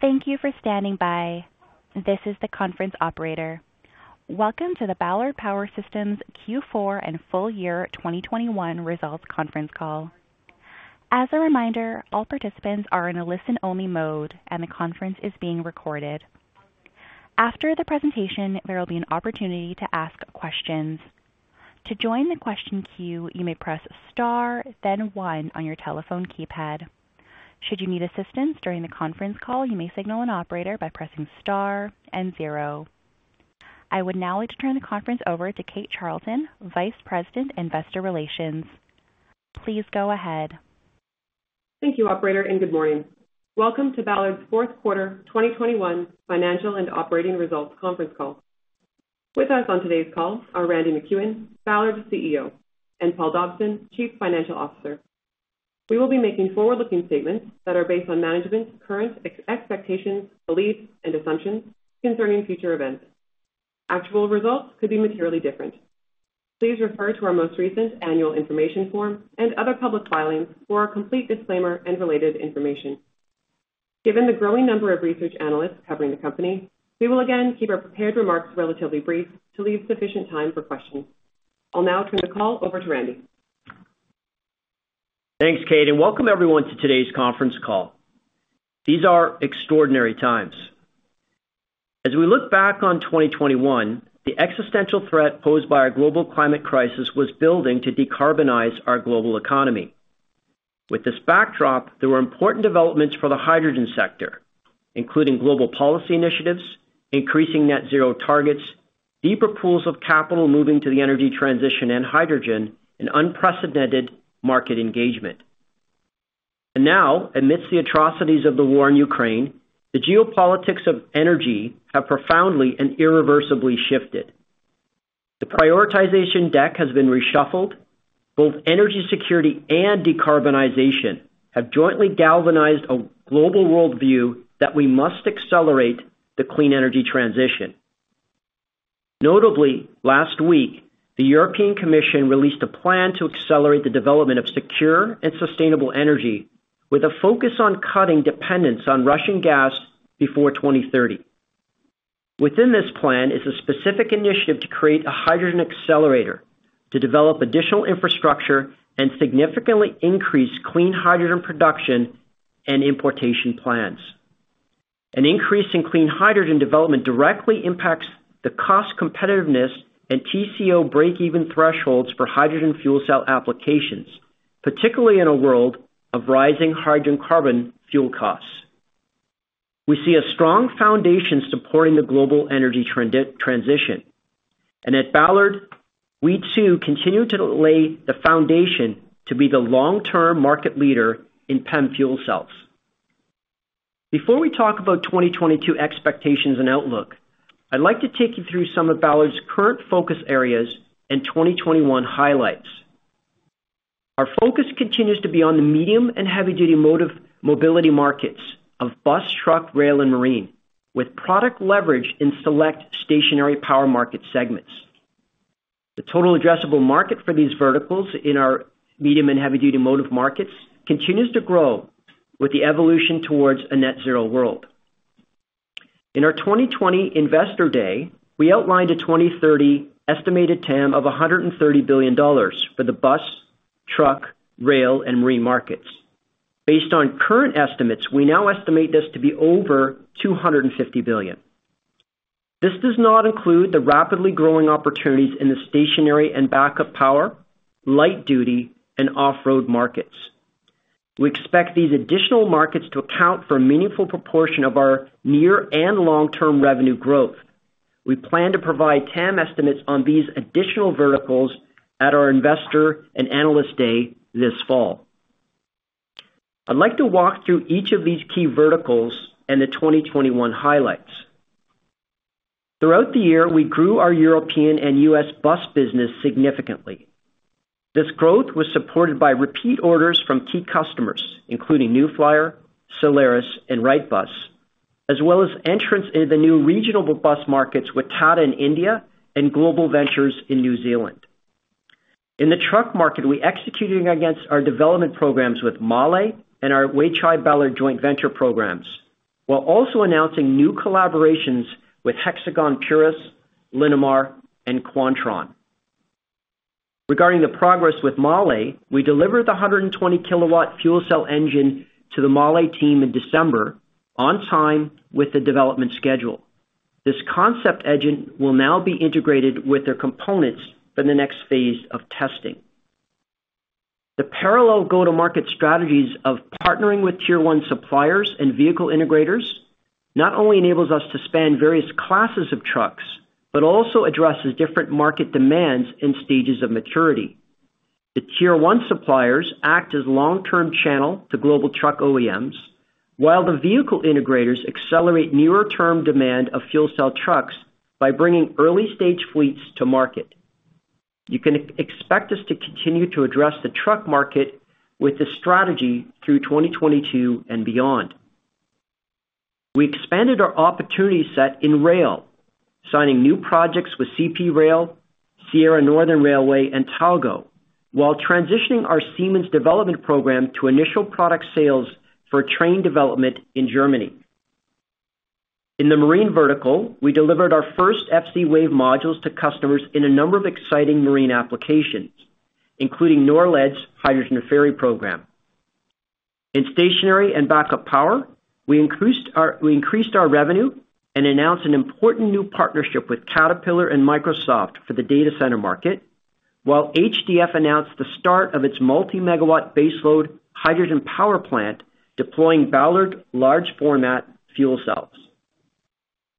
Thank you for standing by. This is the conference operator. Welcome to the Ballard Power Systems Q4 and full year 2021 results conference call. As a reminder, all participants are in a listen-only mode, and the conference is being recorded. After the presentation, there will be an opportunity to ask questions. To join the question queue, you may press star then one on your telephone keypad. Should you need assistance during the conference call, you may signal an operator by pressing star and zero. I would now like to turn the conference over to Kate Charlton, Vice President, Investor Relations. Please go ahead. Thank you operator, and good morning. Welcome to Ballard's fourth quarter 2021 financial and operating results conference call. With us on today's call are Randy MacEwen, Ballard's CEO, and Paul Dobson, Chief Financial Officer. We will be making forward-looking statements that are based on management's current expectations, beliefs, and assumptions concerning future events. Actual results could be materially different. Please refer to our most recent annual information form and other public filings for a complete disclaimer and related information. Given the growing number of research analysts covering the company, we will again keep our prepared remarks relatively brief to leave sufficient time for questions. I'll now turn the call over to Randy. Thanks, Kate, and welcome everyone to today's conference call. These are extraordinary times. As we look back on 2021, the existential threat posed by our global climate crisis was building to decarbonize our global economy. With this backdrop, there were important developments for the hydrogen sector, including global policy initiatives, increasing net zero targets, deeper pools of capital moving to the energy transition and hydrogen and unprecedented market engagement. Now, amidst the atrocities of the war in Ukraine, the geopolitics of energy have profoundly and irreversibly shifted. The prioritization deck has been reshuffled. Both energy security and decarbonization have jointly galvanized a global worldview that we must accelerate the clean energy transition. Notably, last week, the European Commission released a plan to accelerate the development of secure and sustainable energy with a focus on cutting dependence on Russian gas before 2030. Within this plan is a specific initiative to create a hydrogen accelerator to develop additional infrastructure and significantly increase clean hydrogen production and importation plans. An increase in clean hydrogen development directly impacts the cost competitiveness and TCO breakeven thresholds for hydrogen fuel cell applications, particularly in a world of rising hydrocarbon fuel costs. We see a strong foundation supporting the global energy transition, and at Ballard, we too continue to lay the foundation to be the long-term market leader in PEM fuel cells. Before we talk about 2022 expectations and outlook, I'd like to take you through some of Ballard's current focus areas and 2021 highlights. Our focus continues to be on the medium and heavy-duty motive mobility markets of bus, truck, rail, and marine, with product leverage in select stationary power market segments. The total addressable market for these verticals in our medium and heavy-duty motive markets continues to grow with the evolution towards a net zero world. In our 2020 Investor Day, we outlined a 2030 estimated TAM of $130 billion for the bus, truck, rail, and marine markets. Based on current estimates, we now estimate this to be over $250 billion. This does not include the rapidly growing opportunities in the stationary and backup power, light duty, and off-road markets. We expect these additional markets to account for a meaningful proportion of our near and long-term revenue growth. We plan to provide TAM estimates on these additional verticals at our Investor and Analyst Day this fall. I'd like to walk through each of these key verticals and the 2021 highlights. Throughout the year, we grew our European and U.S. bus business significantly. This growth was supported by repeat orders from key customers, including New Flyer, Solaris, and Wrightbus, as well as entrants in the new regional bus markets with Tata in India and Global Bus Ventures in New Zealand. In the truck market, we executed against our development programs with MAHLE and our Weichai Ballard joint venture programs, while also announcing new collaborations with Hexagon Purus, Linamar, and Quantron. Regarding the progress with MAHLE, we delivered the 120-kilowatt fuel cell engine to the MAHLE team in December on time with the development schedule. This concept engine will now be integrated with their components for the next phase of testing. The parallel go-to-market strategies of partnering with tier one suppliers and vehicle integrators not only enables us to span various classes of trucks, but also addresses different market demands in stages of maturity. The tier one suppliers act as long-term channel to global truck OEMs, while the vehicle integrators accelerate nearer term demand of fuel cell trucks by bringing early stage fleets to market. You can expect us to continue to address the truck market with this strategy through 2022 and beyond. We expanded our opportunity set in rail, signing new projects with CP Rail, Sierra Northern Railway, and Talgo, while transitioning our Siemens development program to initial product sales for train development in Germany. In the marine vertical, we delivered our first FCwave modules to customers in a number of exciting marine applications, including Norled's hydrogen ferry program. In stationary and backup power, we increased our revenue and announced an important new partnership with Caterpillar and Microsoft for the data center market, while HDF announced the start of its multi-megawatt baseload hydrogen power plant, deploying Ballard large format fuel cells.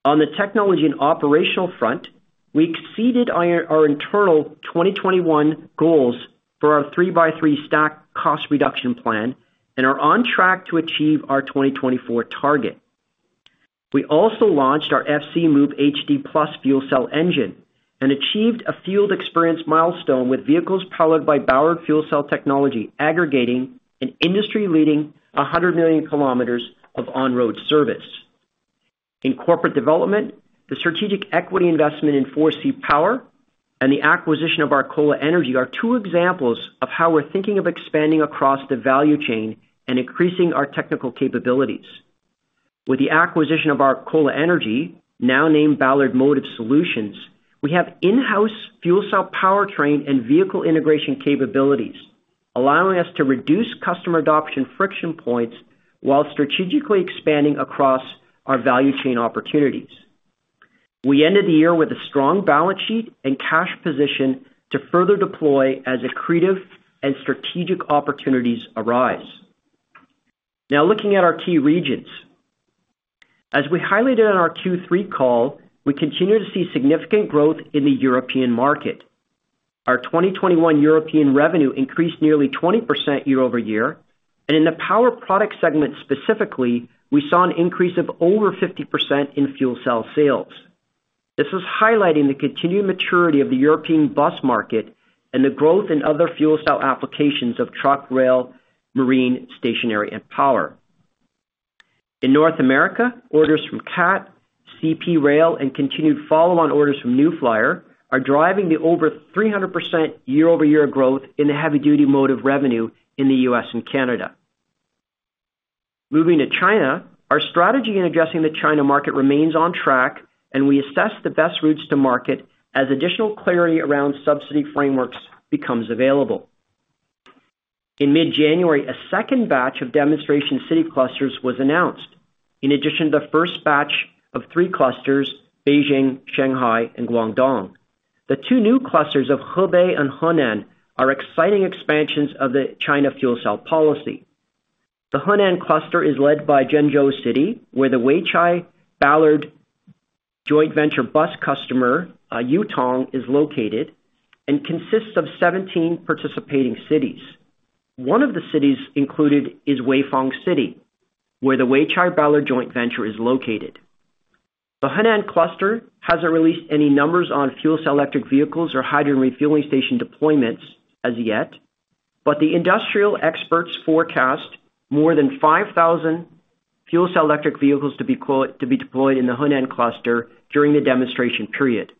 On the technology and operational front, we exceeded our internal 2021 goals for our 3x3 stack cost reduction plan and are on track to achieve our 2024 target. We also launched our FCmove-HD+ fuel cell engine and achieved a field experience milestone with vehicles powered by Ballard fuel cell technology, aggregating an industry-leading 100 million kilometers of on-road service. In corporate development, the strategic equity investment in Forsee Power and the acquisition of Arcola Energy are two examples of how we're thinking of expanding across the value chain and increasing our technical capabilities. With the acquisition of Arcola Energy, now named Ballard Motive Solutions, we have in-house fuel cell powertrain and vehicle integration capabilities, allowing us to reduce customer adoption friction points while strategically expanding across our value chain opportunities. We ended the year with a strong balance sheet and cash position to further deploy as accretive and strategic opportunities arise. Now looking at our key regions. As we highlighted on our Q3 call, we continue to see significant growth in the European market. Our 2021 European revenue increased nearly 20% year over year. In the power product segment specifically, we saw an increase of over 50% in fuel cell sales. This is highlighting the continued maturity of the European bus market and the growth in other fuel cell applications of truck, rail, marine, stationary, and power. In North America, orders from Cat, CP Rail, and continued follow-on orders from New Flyer are driving the over 300% year-over-year growth in the heavy-duty motive revenue in the U.S. and Canada. Moving to China. Our strategy in addressing the China market remains on track, and we assess the best routes to market as additional clarity around subsidy frameworks becomes available. In mid-January, a second batch of demonstration city clusters was announced. In addition to the first batch of three clusters, Beijing, Shanghai, and Guangdong. The two new clusters of Hebei and Henan are exciting expansions of the China fuel cell policy. The Henan cluster is led by Zhengzhou City, where the Weichai-Ballard joint venture bus customer, Yutong, is located and consists of 17 participating cities. One of the cities included is Weifang City, where the Weichai-Ballard joint venture is located. The Henan cluster hasn't released any numbers on fuel cell electric vehicles or hydrogen refueling station deployments as yet, but the industrial experts forecast more than 5,000 fuel cell electric vehicles to be deployed in the Henan cluster during the demonstration period.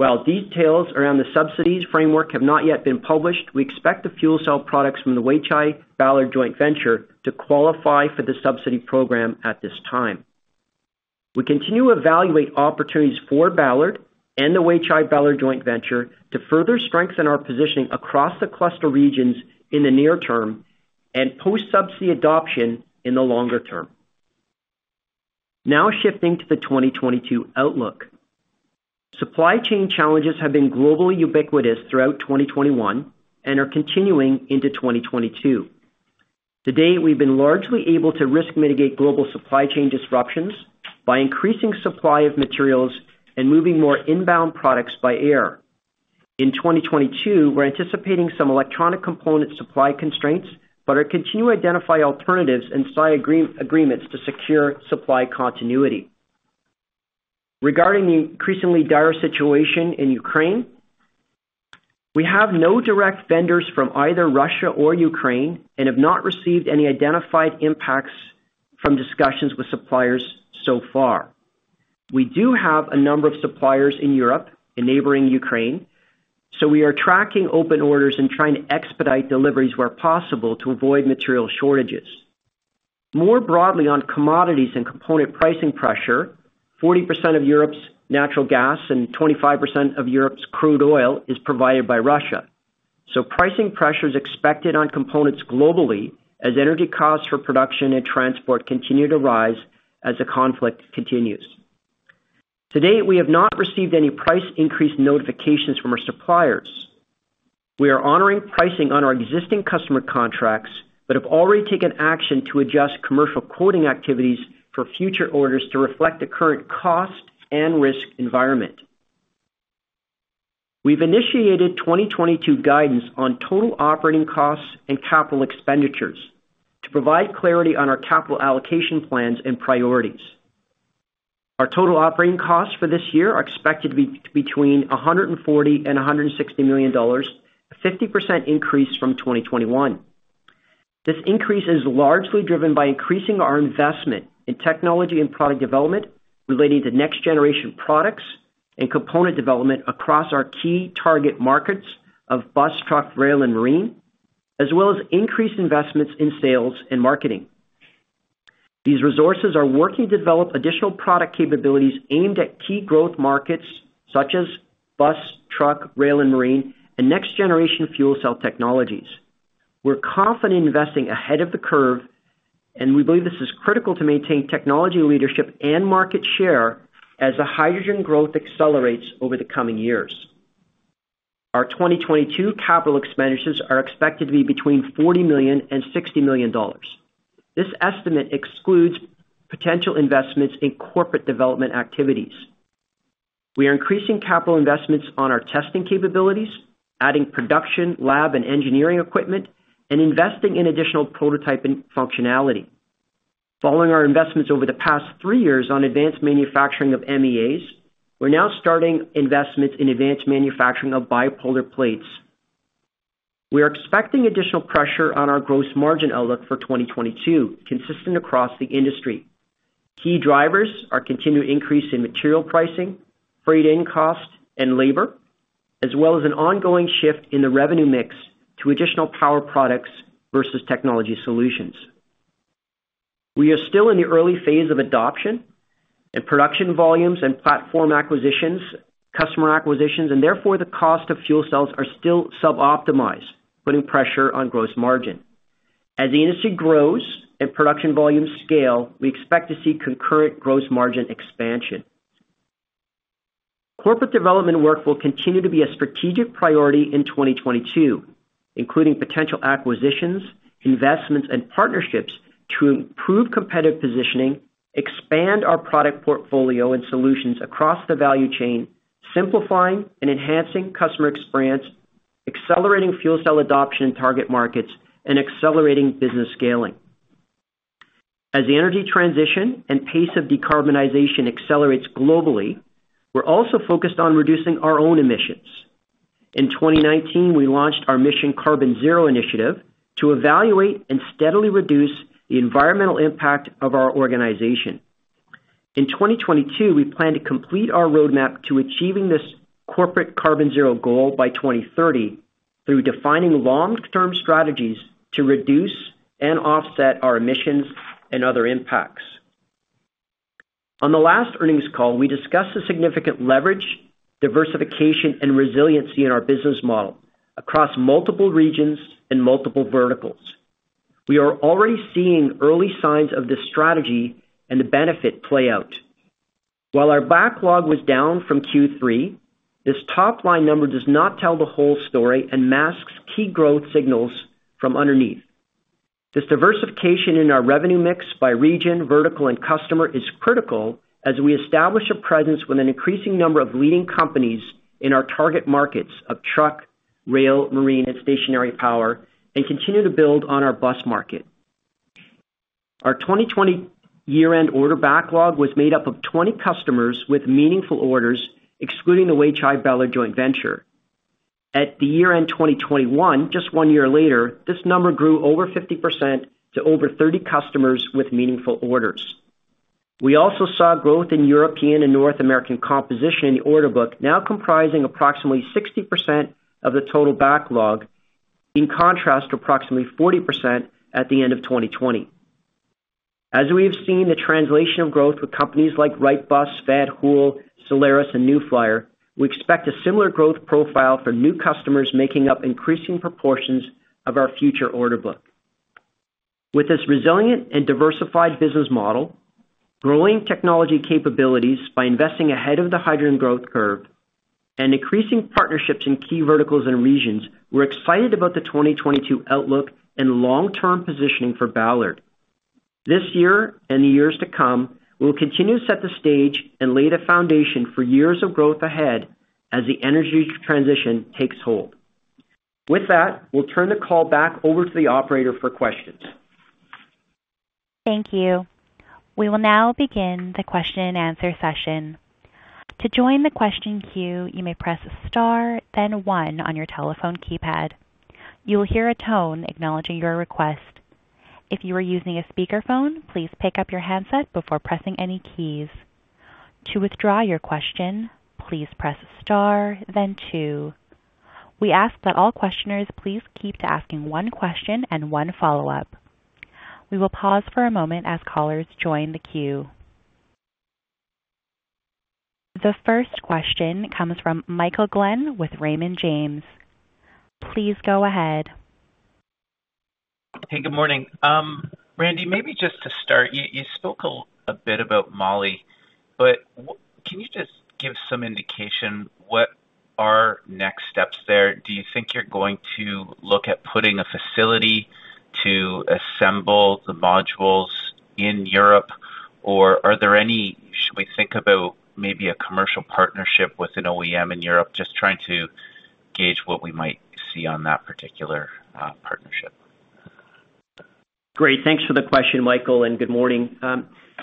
While details around the subsidies framework have not yet been published, we expect the fuel cell products from the Weichai Ballard joint venture to qualify for the subsidy program at this time. We continue to evaluate opportunities for Ballard and the Weichai Ballard joint venture to further strengthen our positioning across the cluster regions in the near term and post-subsidy adoption in the longer term. Now shifting to the 2022 outlook. Supply chain challenges have been globally ubiquitous throughout 2021 and are continuing into 2022. To date, we've been largely able to risk mitigate global supply chain disruptions by increasing supply of materials and moving more inbound products by air. In 2022, we're anticipating some electronic component supply constraints, but we continue to identify alternatives and sign agreements to secure supply continuity. Regarding the increasingly dire situation in Ukraine, we have no direct vendors from either Russia or Ukraine and have not received any identified impacts from discussions with suppliers so far. We do have a number of suppliers in Europe and neighboring Ukraine, so we are tracking open orders and trying to expedite deliveries where possible to avoid material shortages. More broadly on commodities and component pricing pressure, 40% of Europe's natural gas and 25% of Europe's crude oil is provided by Russia. Pricing pressure is expected on components globally as energy costs for production and transport continue to rise as the conflict continues. To date, we have not received any price increase notifications from our suppliers. We are honoring pricing on our existing customer contracts, but have already taken action to adjust commercial quoting activities for future orders to reflect the current cost and risk environment. We've initiated 2022 guidance on total operating costs and capital expenditures to provide clarity on our capital allocation plans and priorities. Our total operating costs for this year are expected to be between $140 million and $160 million, a 50% increase from 2021. This increase is largely driven by increasing our investment in technology and product development related to next generation products and component development across our key target markets of bus, truck, rail and marine, as well as increased investments in sales and marketing. These resources are working to develop additional product capabilities aimed at key growth markets such as bus, truck, rail and marine, and next generation fuel cell technologies. We're confident investing ahead of the curve, and we believe this is critical to maintain technology leadership and market share as the hydrogen growth accelerates over the coming years. Our 2022 capital expenditures are expected to be between $40 million and $60 million. This estimate excludes potential investments in corporate development activities. We are increasing capital investments on our testing capabilities, adding production lab and engineering equipment, and investing in additional prototyping functionality. Following our investments over the past three years on advanced manufacturing of MEAs, we're now starting investments in advanced manufacturing of bipolar plates. We are expecting additional pressure on our gross margin outlook for 2022 consistent across the industry. Key drivers are continued increase in material pricing, freight and cost and labor, as well as an ongoing shift in the revenue mix to additional power products versus technology solutions. We are still in the early phase of adoption and production volumes and platform acquisitions, customer acquisitions, and therefore the cost of fuel cells are still sub-optimized, putting pressure on gross margin. As the industry grows and production volumes scale, we expect to see concurrent gross margin expansion. Corporate development work will continue to be a strategic priority in 2022, including potential acquisitions, investments and partnerships to improve competitive positioning, expand our product portfolio and solutions across the value chain, simplifying and enhancing customer experience, accelerating fuel cell adoption in target markets, and accelerating business scaling. As the energy transition and pace of decarbonization accelerates globally, we're also focused on reducing our own emissions. In 2019, we launched our Mission Carbon Zero initiative to evaluate and steadily reduce the environmental impact of our organization. In 2022, we plan to complete our roadmap to achieving this corporate Carbon Zero goal by 2030 through defining long-term strategies to reduce and offset our emissions and other impacts. On the last earnings call, we discussed the significant leverage, diversification, and resiliency in our business model across multiple regions and multiple verticals. We are already seeing early signs of this strategy and the benefit play out. While our backlog was down from Q3, this top line number does not tell the whole story and masks key growth signals from underneath. This diversification in our revenue mix by region, vertical, and customer is critical as we establish a presence with an increasing number of leading companies in our target markets of truck, rail, marine, and stationary power, and continue to build on our bus market. Our 2020 year-end order backlog was made up of 20 customers with meaningful orders, excluding the Weichai-Ballard joint venture. At the year-end 2021, just one year later, this number grew over 50% to over 30 customers with meaningful orders. We also saw growth in European and North American composition in the order book, now comprising approximately 60% of the total backlog, in contrast to approximately 40% at the end of 2020. As we have seen the translation of growth with companies like Wrightbus, Van Hool, Solaris and New Flyer, we expect a similar growth profile for new customers making up increasing proportions of our future order book. With this resilient and diversified business model, growing technology capabilities by investing ahead of the hydrogen growth curve and increasing partnerships in key verticals and regions, we're excited about the 2022 outlook and long-term positioning for Ballard. This year and the years to come, we will continue to set the stage and lay the foundation for years of growth ahead as the energy transition takes hold. With that, we'll turn the call back over to the operator for questions. Thank you. We will now begin the question and answer session. To join the question queue, you may press Star then one on your telephone keypad. You will hear a tone acknowledging your request. If you are using a speakerphone, please pick up your handset before pressing any keys. To withdraw your question, please press Star then two. We ask that all questioners please keep to asking one question and one follow-up. We will pause for a moment as callers join the queue. The first question comes from Michael Glen with Raymond James. Please go ahead. Hey, good morning. Randy, maybe just to start, you spoke a bit about Motive, but can you just give some indication what are next steps there? Do you think you're going to look at putting a facility to assemble the modules in Europe or should we think about maybe a commercial partnership with an OEM in Europe? Just trying to gauge what we might see on that particular partnership. Great. Thanks for the question, Michael, and good morning.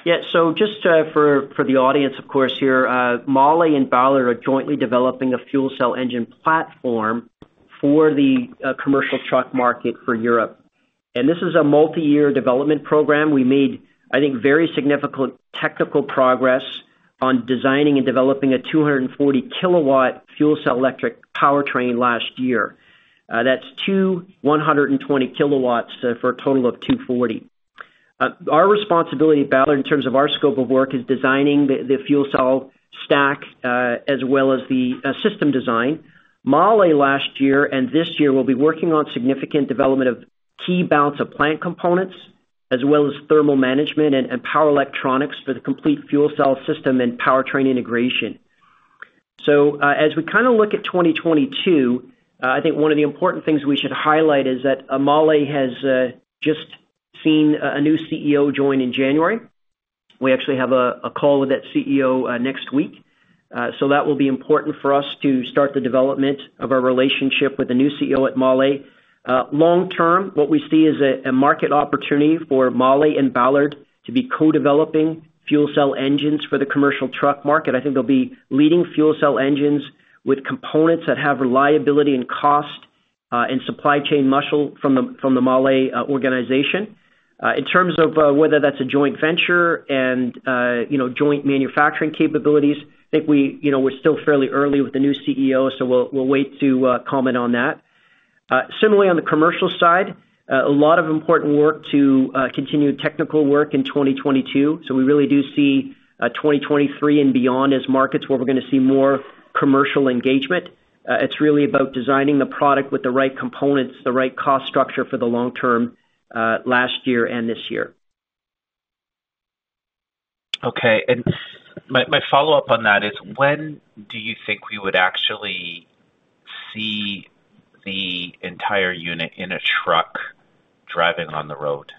Yeah, so just for the audience, of course, here, MAHLE and Ballard are jointly developing a fuel cell engine platform for the commercial truck market for Europe. This is a multi-year development program. We made, I think, very significant technical progress on designing and developing a 240-kW fuel cell electric powertrain last year. That's two 120 kW for a total of 240. Our responsibility at Ballard in terms of our scope of work is designing the fuel cell stack as well as the system design. MAHLE last year and this year will be working on significant development of key balance of plant components as well as thermal management and power electronics for the complete fuel cell system and powertrain integration. As we kinda look at 2022, I think one of the important things we should highlight is that MAHLE has just seen a new CEO join in January. We actually have a call with that CEO next week. That will be important for us to start the development of our relationship with the new CEO at MAHLE. Long term, what we see is a market opportunity for MAHLE and Ballard to be co-developing fuel cell engines for the commercial truck market. I think they'll be leading fuel cell engines with components that have reliability and cost, and supply chain muscle from the MAHLE organization. In terms of whether that's a joint venture and you know joint manufacturing capabilities, I think we you know we're still fairly early with the new CEO, so we'll wait to comment on that. Similarly on the commercial side, a lot of important work to continue technical work in 2022, so we really do see 2023 and beyond as markets where we're gonna see more commercial engagement. It's really about designing the product with the right components, the right cost structure for the long term last year and this year. Okay. My follow-up on that is when do you think we would actually see the entire unit in a truck driving on the road?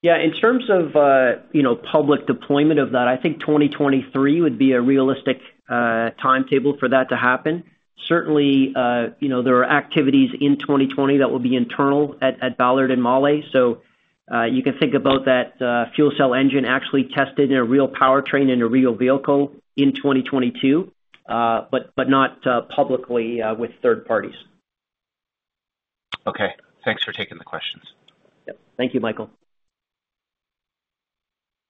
Yeah. In terms of, you know, public deployment of that, I think 2023 would be a realistic timetable for that to happen. Certainly, you know, there are activities in 2020 that will be internal at Ballard and MAHLE. You can think about that fuel cell engine actually tested in a real powertrain, in a real vehicle in 2022, but not publicly with third parties. Okay. Thanks for taking the questions. Yep. Thank you, Michael.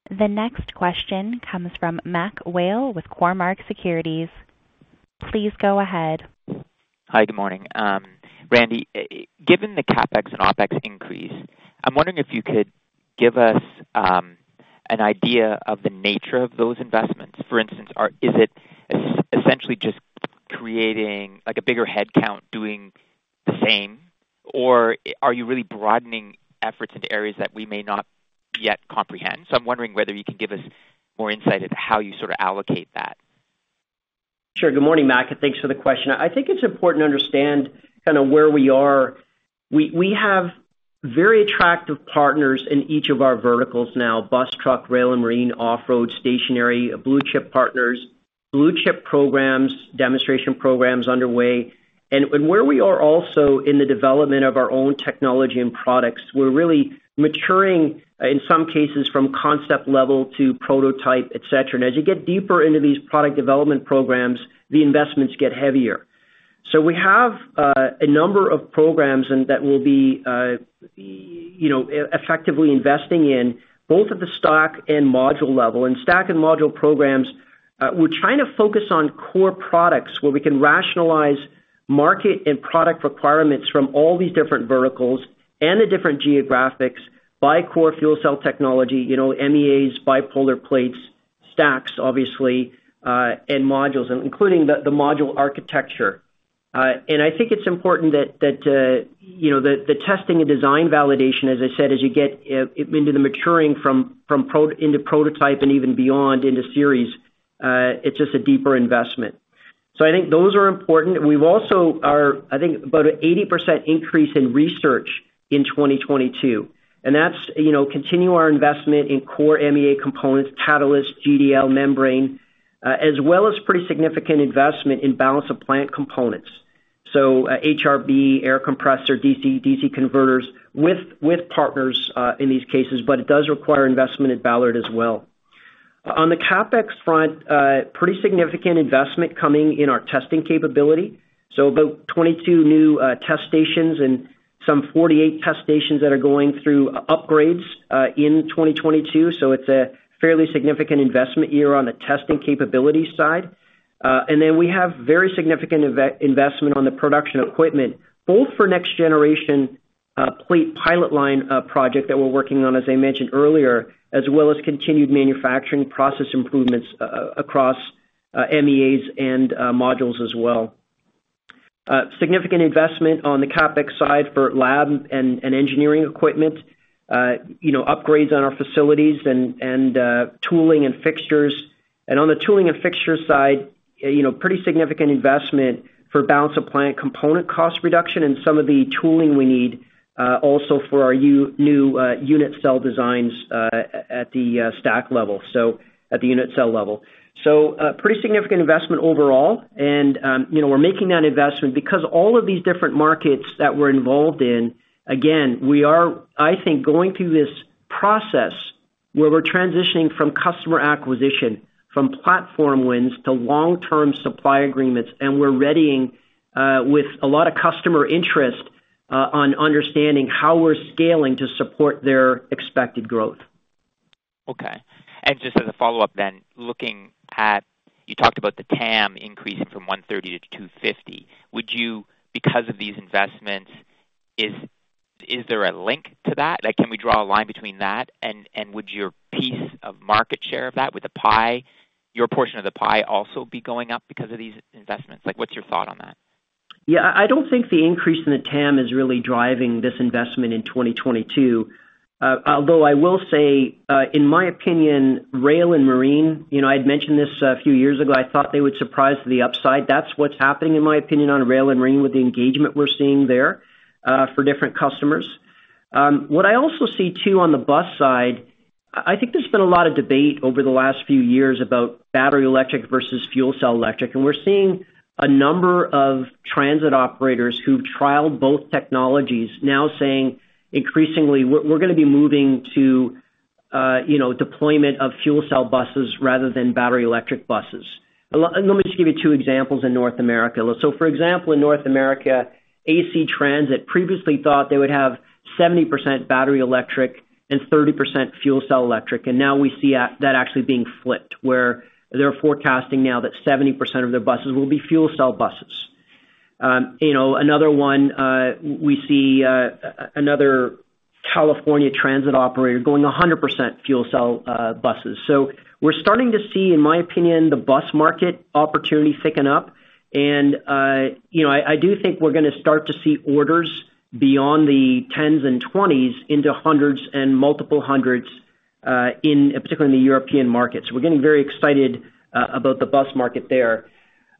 The next question comes from MacMurray Whale with Cormark Securities. Please go ahead. Hi, good morning. Randy, given the CapEx and OpEx increase, I'm wondering if you could give us an idea of the nature of those investments. For instance, is it essentially just creating like a bigger headcount doing the same, or are you really broadening efforts into areas that we may not yet comprehend? I'm wondering whether you can give us more insight into how you sort of allocate that. Sure. Good morning, Mac, and thanks for the question. I think it's important to understand kinda where we are. We have very attractive partners in each of our verticals now, bus, truck, rail, and marine, off road, stationary, blue chip partners, blue chip programs, demonstration programs underway. Where we are also in the development of our own technology and products, we're really maturing in some cases from concept level to prototype, et cetera. As you get deeper into these product development programs, the investments get heavier. We have a number of programs and that will be you know, effectively investing in both at the stack and module level. Stack and module programs, we're trying to focus on core products where we can rationalize market and product requirements from all these different verticals and the different geographics by core fuel cell technology, you know, MEAs, bipolar plates, stacks obviously, and modules, including the module architecture. I think it's important that you know the testing and design validation, as I said, as you get into the maturing from prototype and even beyond into series, it's just a deeper investment. I think those are important. We've also had, I think about 80% increase in research in 2022, and that's you know continue our investment in core MEA components, catalyst, GDL membrane, as well as pretty significant investment in balance of plant components. HRB, air compressor, DC converters with partners in these cases, but it does require investment at Ballard as well. On the CapEx front, pretty significant investment coming in our testing capability, so about 22 new test stations and some 48 test stations that are going through upgrades in 2022, so it's a fairly significant investment year on the testing capability side. We have very significant investment on the production equipment, both for next generation plate pilot line project that we're working on, as I mentioned earlier, as well as continued manufacturing process improvements across MEAs and modules as well. Significant investment on the CapEx side for lab and engineering equipment, you know, upgrades on our facilities and tooling and fixtures. On the tooling and fixtures side, you know, pretty significant investment for balance of plant component cost reduction and some of the tooling we need, also for our new unit cell designs, at the stack level, so at the unit cell level. Pretty significant investment overall. You know, we're making that investment because all of these different markets that we're involved in, again, we are, I think, going through this process where we're transitioning from customer acquisition, from platform wins to long-term supply agreements, and we're readying, with a lot of customer interest, on understanding how we're scaling to support their expected growth. Okay. Just as a follow-up then, you talked about the TAM increasing from $130-$250. Because of these investments, is there a link to that? Like, can we draw a line between that, and would your piece of market share of that with the pie, your portion of the pie also be going up because of these investments? Like, what's your thought on that? Yeah, I don't think the increase in the TAM is really driving this investment in 2022. Although I will say, in my opinion, rail and marine, you know, I'd mentioned this a few years ago, I thought they would surprise to the upside. That's what's happening, in my opinion, on rail and marine with the engagement we're seeing there for different customers. What I also see too on the bus side, I think there's been a lot of debate over the last few years about battery electric versus fuel cell electric, and we're seeing a number of transit operators who've trialed both technologies now saying increasingly, "We're gonna be moving to deployment of fuel cell buses rather than battery electric buses." Let me just give you two examples in North America. For example, in North America, AC Transit previously thought they would have 70% battery electric and 30% fuel cell electric, and now we see that actually being flipped, where they're forecasting now that 70% of their buses will be fuel cell buses. You know, another one, we see another California transit operator going 100% fuel cell buses. We're starting to see, in my opinion, the bus market opportunity thicken up. You know, I do think we're gonna start to see orders beyond the tens and twenties into hundreds and multiple hundreds, particularly in the European markets. We're getting very excited about the bus market there.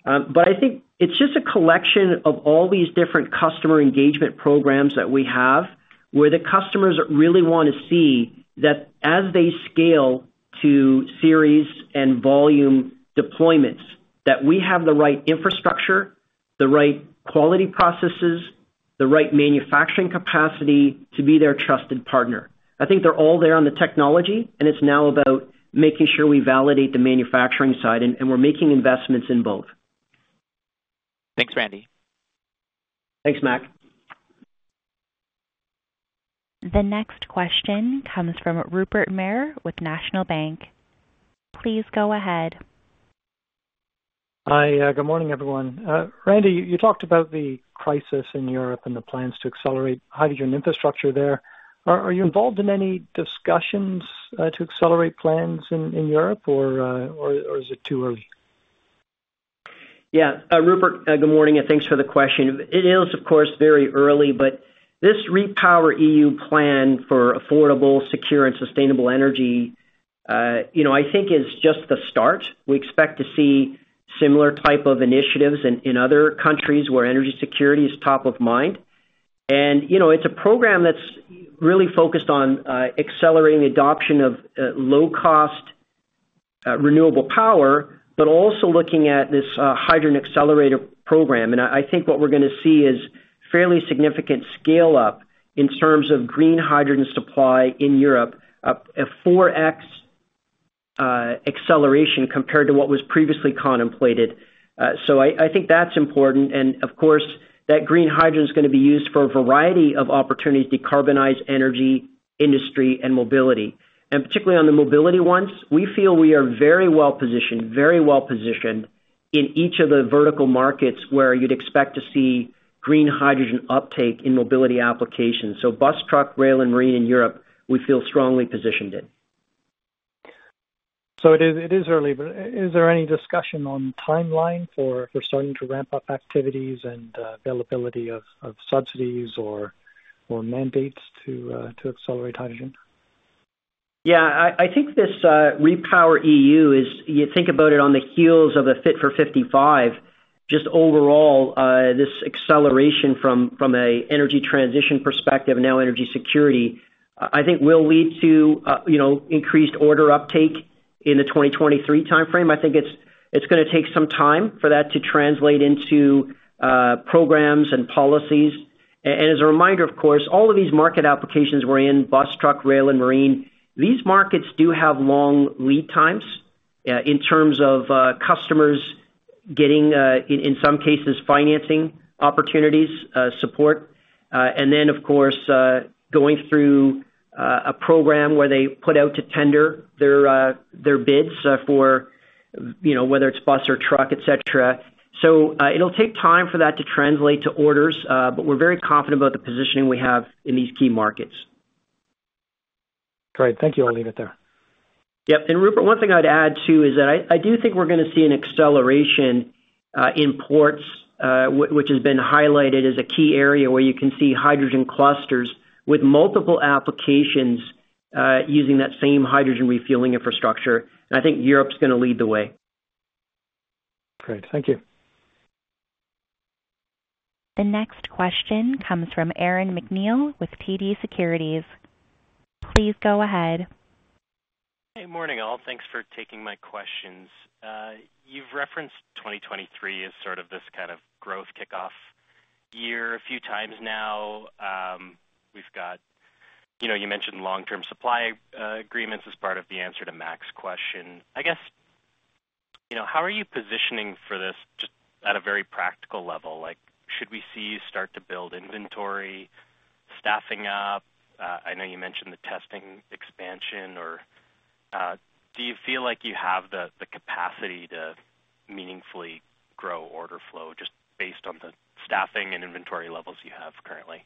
I think it's just a collection of all these different customer engagement programs that we have, where the customers really wanna see that as they scale to series and volume deployments, that we have the right infrastructure, the right quality processes, the right manufacturing capacity to be their trusted partner. I think they're all there on the technology, and it's now about making sure we validate the manufacturing side, and we're making investments in both. Thanks, Randy. Thanks, Mac. The next question comes from Rupert Merer with National Bank. Please go ahead. Hi. Good morning, everyone. Randy, you talked about the crisis in Europe and the plans to accelerate hydrogen infrastructure there. Are you involved in any discussions to accelerate plans in Europe or is it too early? Yeah. Rupert, good morning, and thanks for the question. It is, of course, very early, but this REPowerEU plan for affordable, secure, and sustainable energy, you know, I think is just the start. We expect to see similar type of initiatives in other countries where energy security is top of mind. You know, it's a program that's really focused on accelerating adoption of low cost renewable power, but also looking at this hydrogen accelerator program. I think what we're gonna see is fairly significant scale-up in terms of green hydrogen supply in Europe, a 4x acceleration compared to what was previously contemplated. I think that's important. Of course, that green hydrogen is gonna be used for a variety of opportunities to decarbonize energy industry and mobility. Particularly on the mobility ones, we feel we are very well-positioned in each of the vertical markets where you'd expect to see green hydrogen uptake in mobility applications. Bus, truck, rail, and marine in Europe, we feel strongly positioned in. It is early, but is there any discussion on timeline for starting to ramp up activities and availability of subsidies or mandates to accelerate hydrogen? Yeah. I think this REPowerEU, if you think about it on the heels of a Fit for 55, just overall, this acceleration from a energy transition perspective, now energy security, I think will lead to, you know, increased order uptake in the 2023 timeframe. I think it's gonna take some time for that to translate into programs and policies. As a reminder, of course, all of these market applications we're in, bus, truck, rail, and marine, these markets do have long lead times in terms of customers getting, in some cases, financing opportunities, support. Of course, going through a program where they put out to tender their bids for, you know, whether it's bus or truck, et cetera. It'll take time for that to translate to orders, but we're very confident about the positioning we have in these key markets. Great. Thank you. I'll leave it there. Yep. Rupert, one thing I'd add too is that I do think we're gonna see an acceleration in ports, which has been highlighted as a key area where you can see hydrogen clusters with multiple applications, using that same hydrogen refueling infrastructure, and I think Europe's gonna lead the way. Great. Thank you. The next question comes from Aaron MacNeil with TD Securities. Please go ahead. Hey, morning, all. Thanks for taking my questions. You've referenced 2023 as sort of this kind of growth kickoff year, a few times now. We've got, you know, you mentioned long-term supply agreements as part of the answer to Mac's question. I guess, you know, how are you positioning for this just at a very practical level? Like, should we see you start to build inventory, staffing up? I know you mentioned the testing expansion or, do you feel like you have the capacity to meaningfully grow order flow just based on the staffing and inventory levels you have currently?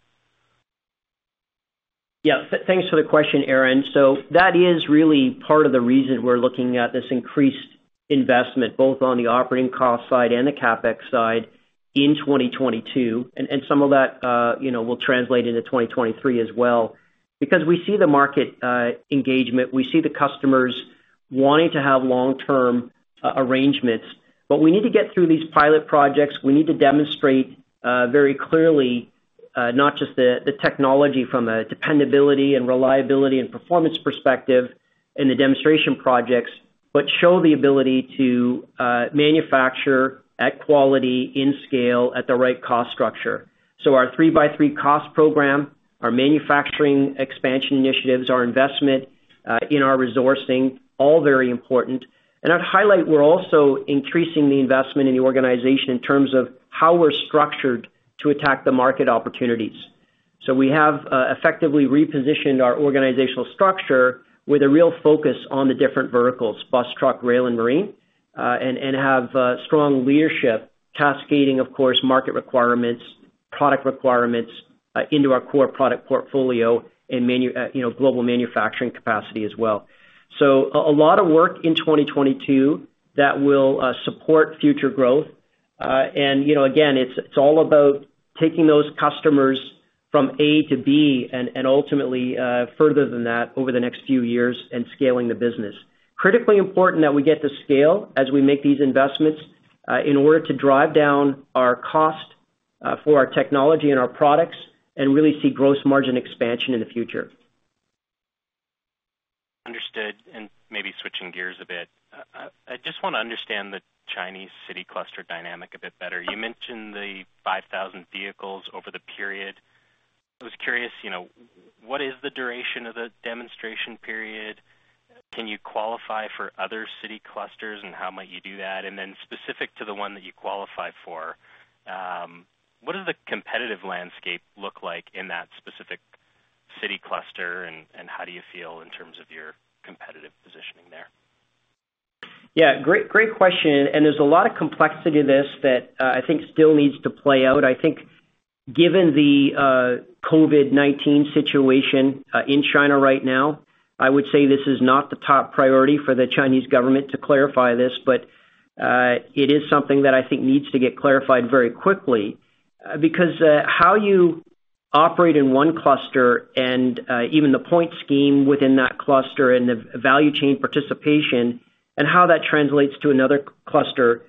Yeah. Thanks for the question, Aaron. That is really part of the reason we're looking at this increased investment, both on the operating cost side and the CapEx side in 2022. Some of that, you know, will translate into 2023 as well. We see the market engagement, we see the customers wanting to have long-term arrangements. We need to get through these pilot projects, we need to demonstrate very clearly not just the technology from a dependability and reliability and performance perspective in the demonstration projects, but show the ability to manufacture at quality in scale at the right cost structure. Our 3x3 cost program, our manufacturing expansion initiatives, our investment in our resourcing, all very important. I'd highlight we're also increasing the investment in the organization in terms of how we're structured to attack the market opportunities. We have effectively repositioned our organizational structure with a real focus on the different verticals, bus, truck, rail, and marine, and have strong leadership cascading, of course, market requirements, product requirements, into our core product portfolio and global manufacturing capacity as well. A lot of work in 2022 that will support future growth. You know, again, it's all about taking those customers from A to B and ultimately further than that over the next few years and scaling the business. Critically important that we get to scale as we make these investments, in order to drive down our cost, for our technology and our products and really see gross margin expansion in the future. Understood. Maybe switching gears a bit. I just wanna understand the Chinese city cluster dynamic a bit better. You mentioned the 5,000 vehicles over the period. I was curious, you know, what is the duration of the demonstration period? Can you qualify for other city clusters, and how might you do that? Then specific to the one that you qualify for, what does the competitive landscape look like in that specific city cluster, and how do you feel in terms of your competitive positioning there? Yeah, great question. There's a lot of complexity to this that I think still needs to play out. I think given the COVID-19 situation in China right now, I would say this is not the top priority for the Chinese government to clarify this, but it is something that I think needs to get clarified very quickly. Because how you operate in one cluster and even the point scheme within that cluster and the value chain participation and how that translates to another cluster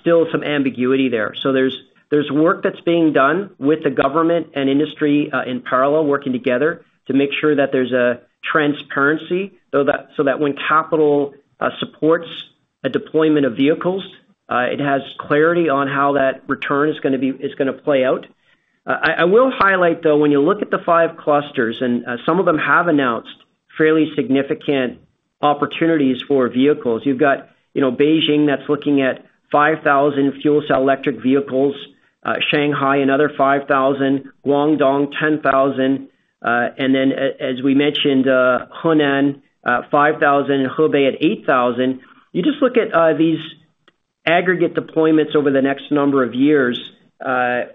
still some ambiguity there. There's work that's being done with the government and industry in parallel, working together to make sure that there's a transparency, so that when capital supports a deployment of vehicles it has clarity on how that return is gonna play out. I will highlight though, when you look at the five clusters, some of them have announced fairly significant opportunities for vehicles. You've got, you know, Beijing that's looking at 5,000 fuel cell electric vehicles, Shanghai, another 5,000, Guangdong, 10,000, and then as we mentioned, Henan, 5,000, Hebei at 8,000. You just look at these aggregate deployments over the next number of years,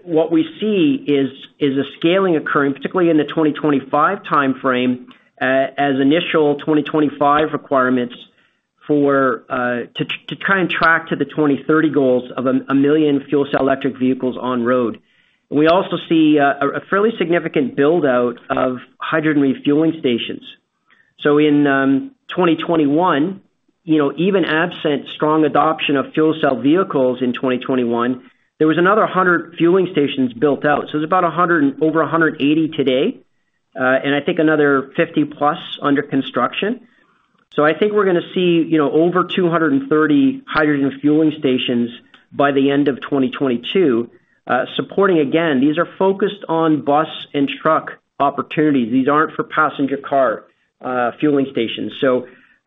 what we see is a scaling occurring, particularly in the 2025 timeframe, as initial 2025 requirements to kind of track to the 2030 goals of 1 million fuel cell electric vehicles on road. We also see a fairly significant build-out of hydrogen refueling stations. In 2021, you know, even absent strong adoption of fuel cell vehicles in 2021, there was another 100 fueling stations built out. It's about over 180 today, and I think another 50+ under construction. I think we're gonna see, you know, over 230 hydrogen fueling stations by the end of 2022, supporting. Again, these are focused on bus and truck opportunities. These aren't for passenger car fueling stations.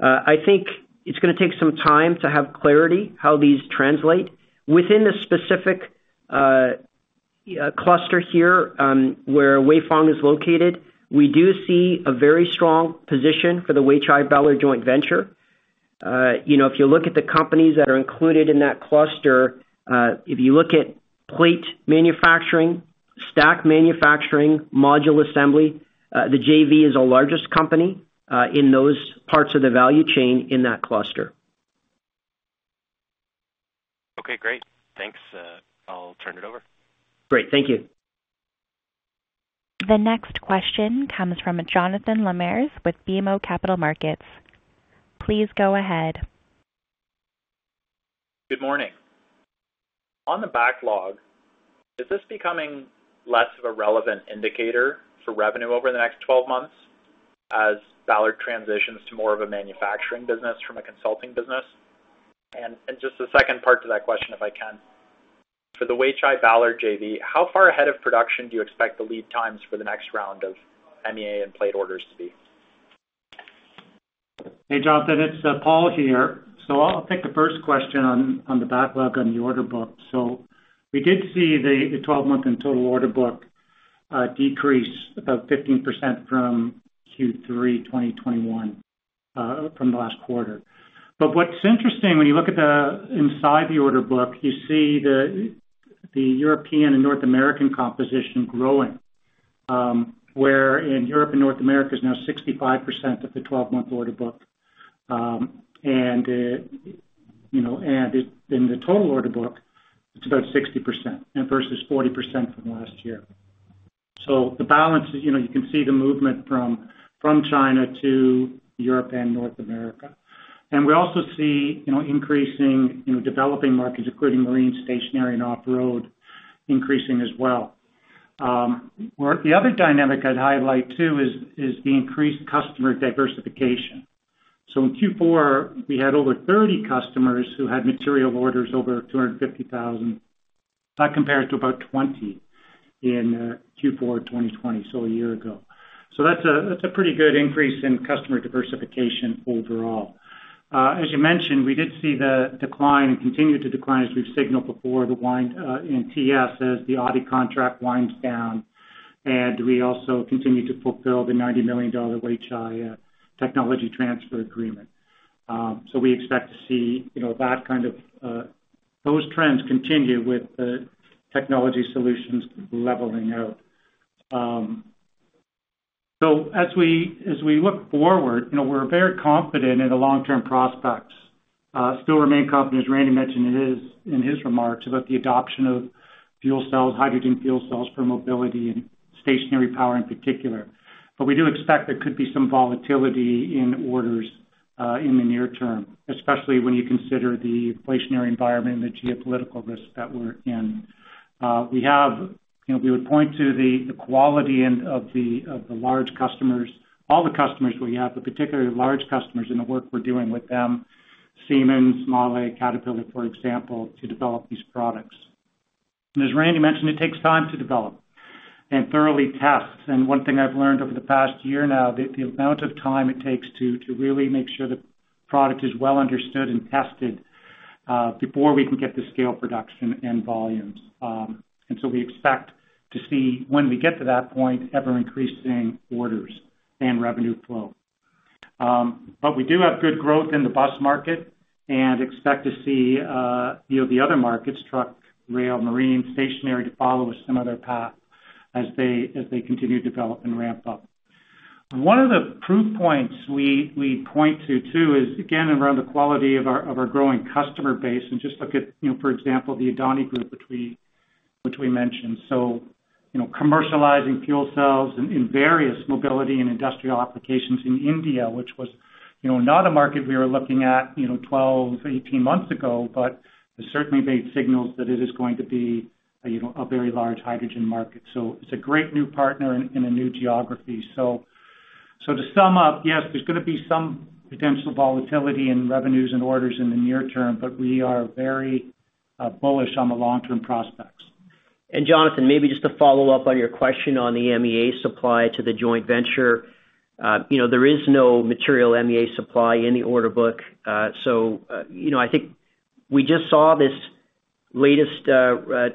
I think it's gonna take some time to have clarity how these translate. Within the specific cluster here, where Weifang is located, we do see a very strong position for the Weichai-Ballard JV joint venture. You know, if you look at the companies that are included in that cluster, if you look at plate manufacturing, stack manufacturing, module assembly, the JV is the largest company in those parts of the value chain in that cluster. Okay, great. Thanks. I'll turn it over. Great. Thank you. The next question comes from Jonathan Lamers with BMO Capital Markets. Please go ahead. Good morning. On the backlog, is this becoming less of a relevant indicator for revenue over the next 12 months as Ballard transitions to more of a manufacturing business from a consulting business? Just the second part to that question, if I can. For the Weichai-Ballard JV, how far ahead of production do you expect the lead times for the next round of MEA and plate orders to be? Hey, Jonathan, it's Paul here. I'll take the first question on the backlog on the order book. We did see the twelve-month and total order book decrease about 15% from Q3 2021, from the last quarter. What's interesting when you look at the inside the order book, you see the European and North American composition growing, where in Europe and North America is now 65% of the twelve-month order book. You know, in the total order book, it's about 60% versus 40% from last year. The balance is, you know, you can see the movement from China to Europe and North America. We also see increasing developing markets, including marine, stationary, and off-road increasing as well. Another dynamic I'd highlight too is the increased customer diversification. In Q4, we had over 30 customers who had material orders over $250,000 compared to about 20 in Q4 2020, a year ago. That's a pretty good increase in customer diversification overall. As you mentioned, we did see the decline continue to decline as we've signaled before the wind-down in TS as the Audi contract winds down, and we also continue to fulfill the $90 million Weichai technology transfer agreement. We expect to see you know that kind of those trends continue with the Technology Solutions leveling out. As we look forward, you know, we're very confident in the long-term prospects, still remain confident, as Randy mentioned in his remarks, about the adoption of fuel cells, hydrogen fuel cells for mobility and stationary power in particular. We do expect there could be some volatility in orders in the near term, especially when you consider the inflationary environment and the geopolitical risks that we're in. We have, you know, we would point to the quality of the large customers, all the customers we have, but particularly large customers and the work we're doing with them, Siemens, MAHLE, Caterpillar, for example, to develop these products. As Randy mentioned, it takes time to develop and thoroughly test. One thing I've learned over the past year now, the amount of time it takes to really make sure the product is well understood and tested before we can get to scale production and volumes. We expect to see when we get to that point, ever-increasing orders and revenue flow. We do have good growth in the bus market and expect to see you know, the other markets, truck, rail, marine, stationary to follow a similar path as they continue to develop and ramp up. One of the proof points we point to too is again around the quality of our growing customer base, and just look at you know, for example, the Adani Group, which we mentioned. You know, commercializing fuel cells in in various mobility and industrial applications in India, which was, you know, not a market we were looking at, you know, 12, 18 months ago, but there's certainly big signals that it is going to be, you know, a very large hydrogen market. It's a great new partner in a new geography. To sum up, yes, there's gonna be some potential volatility in revenues and orders in the near term, but we are very bullish on the long-term prospects. Jonathan, maybe just to follow up on your question on the MEA supply to the joint venture. You know, there is no material MEA supply in the order book. You know, I think we just saw this latest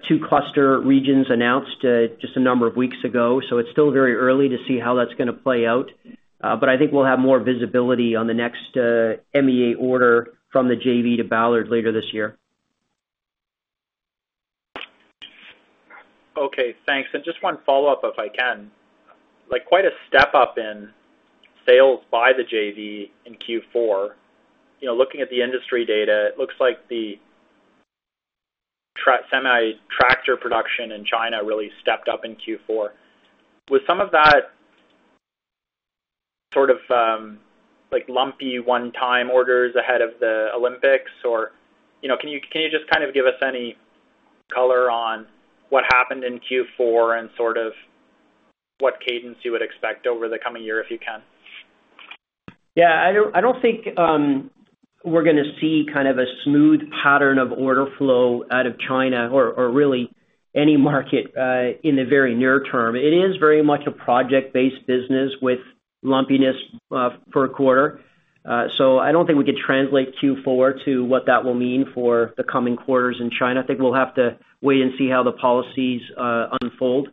two cluster regions announced just a number of weeks ago, so it's still very early to see how that's gonna play out. I think we'll have more visibility on the next MEA order from the JV to Ballard later this year. Okay, thanks. Just one follow-up, if I can. Like, quite a step up in sales by the JV in Q4. You know, looking at the industry data, it looks like the semi-tractor production in China really stepped up in Q4. Was some of that sort of, like, lumpy one-time orders ahead of the Olympics or, you know, can you just kind of give us any color on what happened in Q4 and sort of what cadence you would expect over the coming year, if you can? Yeah, I don't think we're gonna see kind of a smooth pattern of order flow out of China or really any market in the very near term. It is very much a project-based business with lumpiness per quarter. I don't think we could translate Q4 to what that will mean for the coming quarters in China. I think we'll have to wait and see how the policies unfold.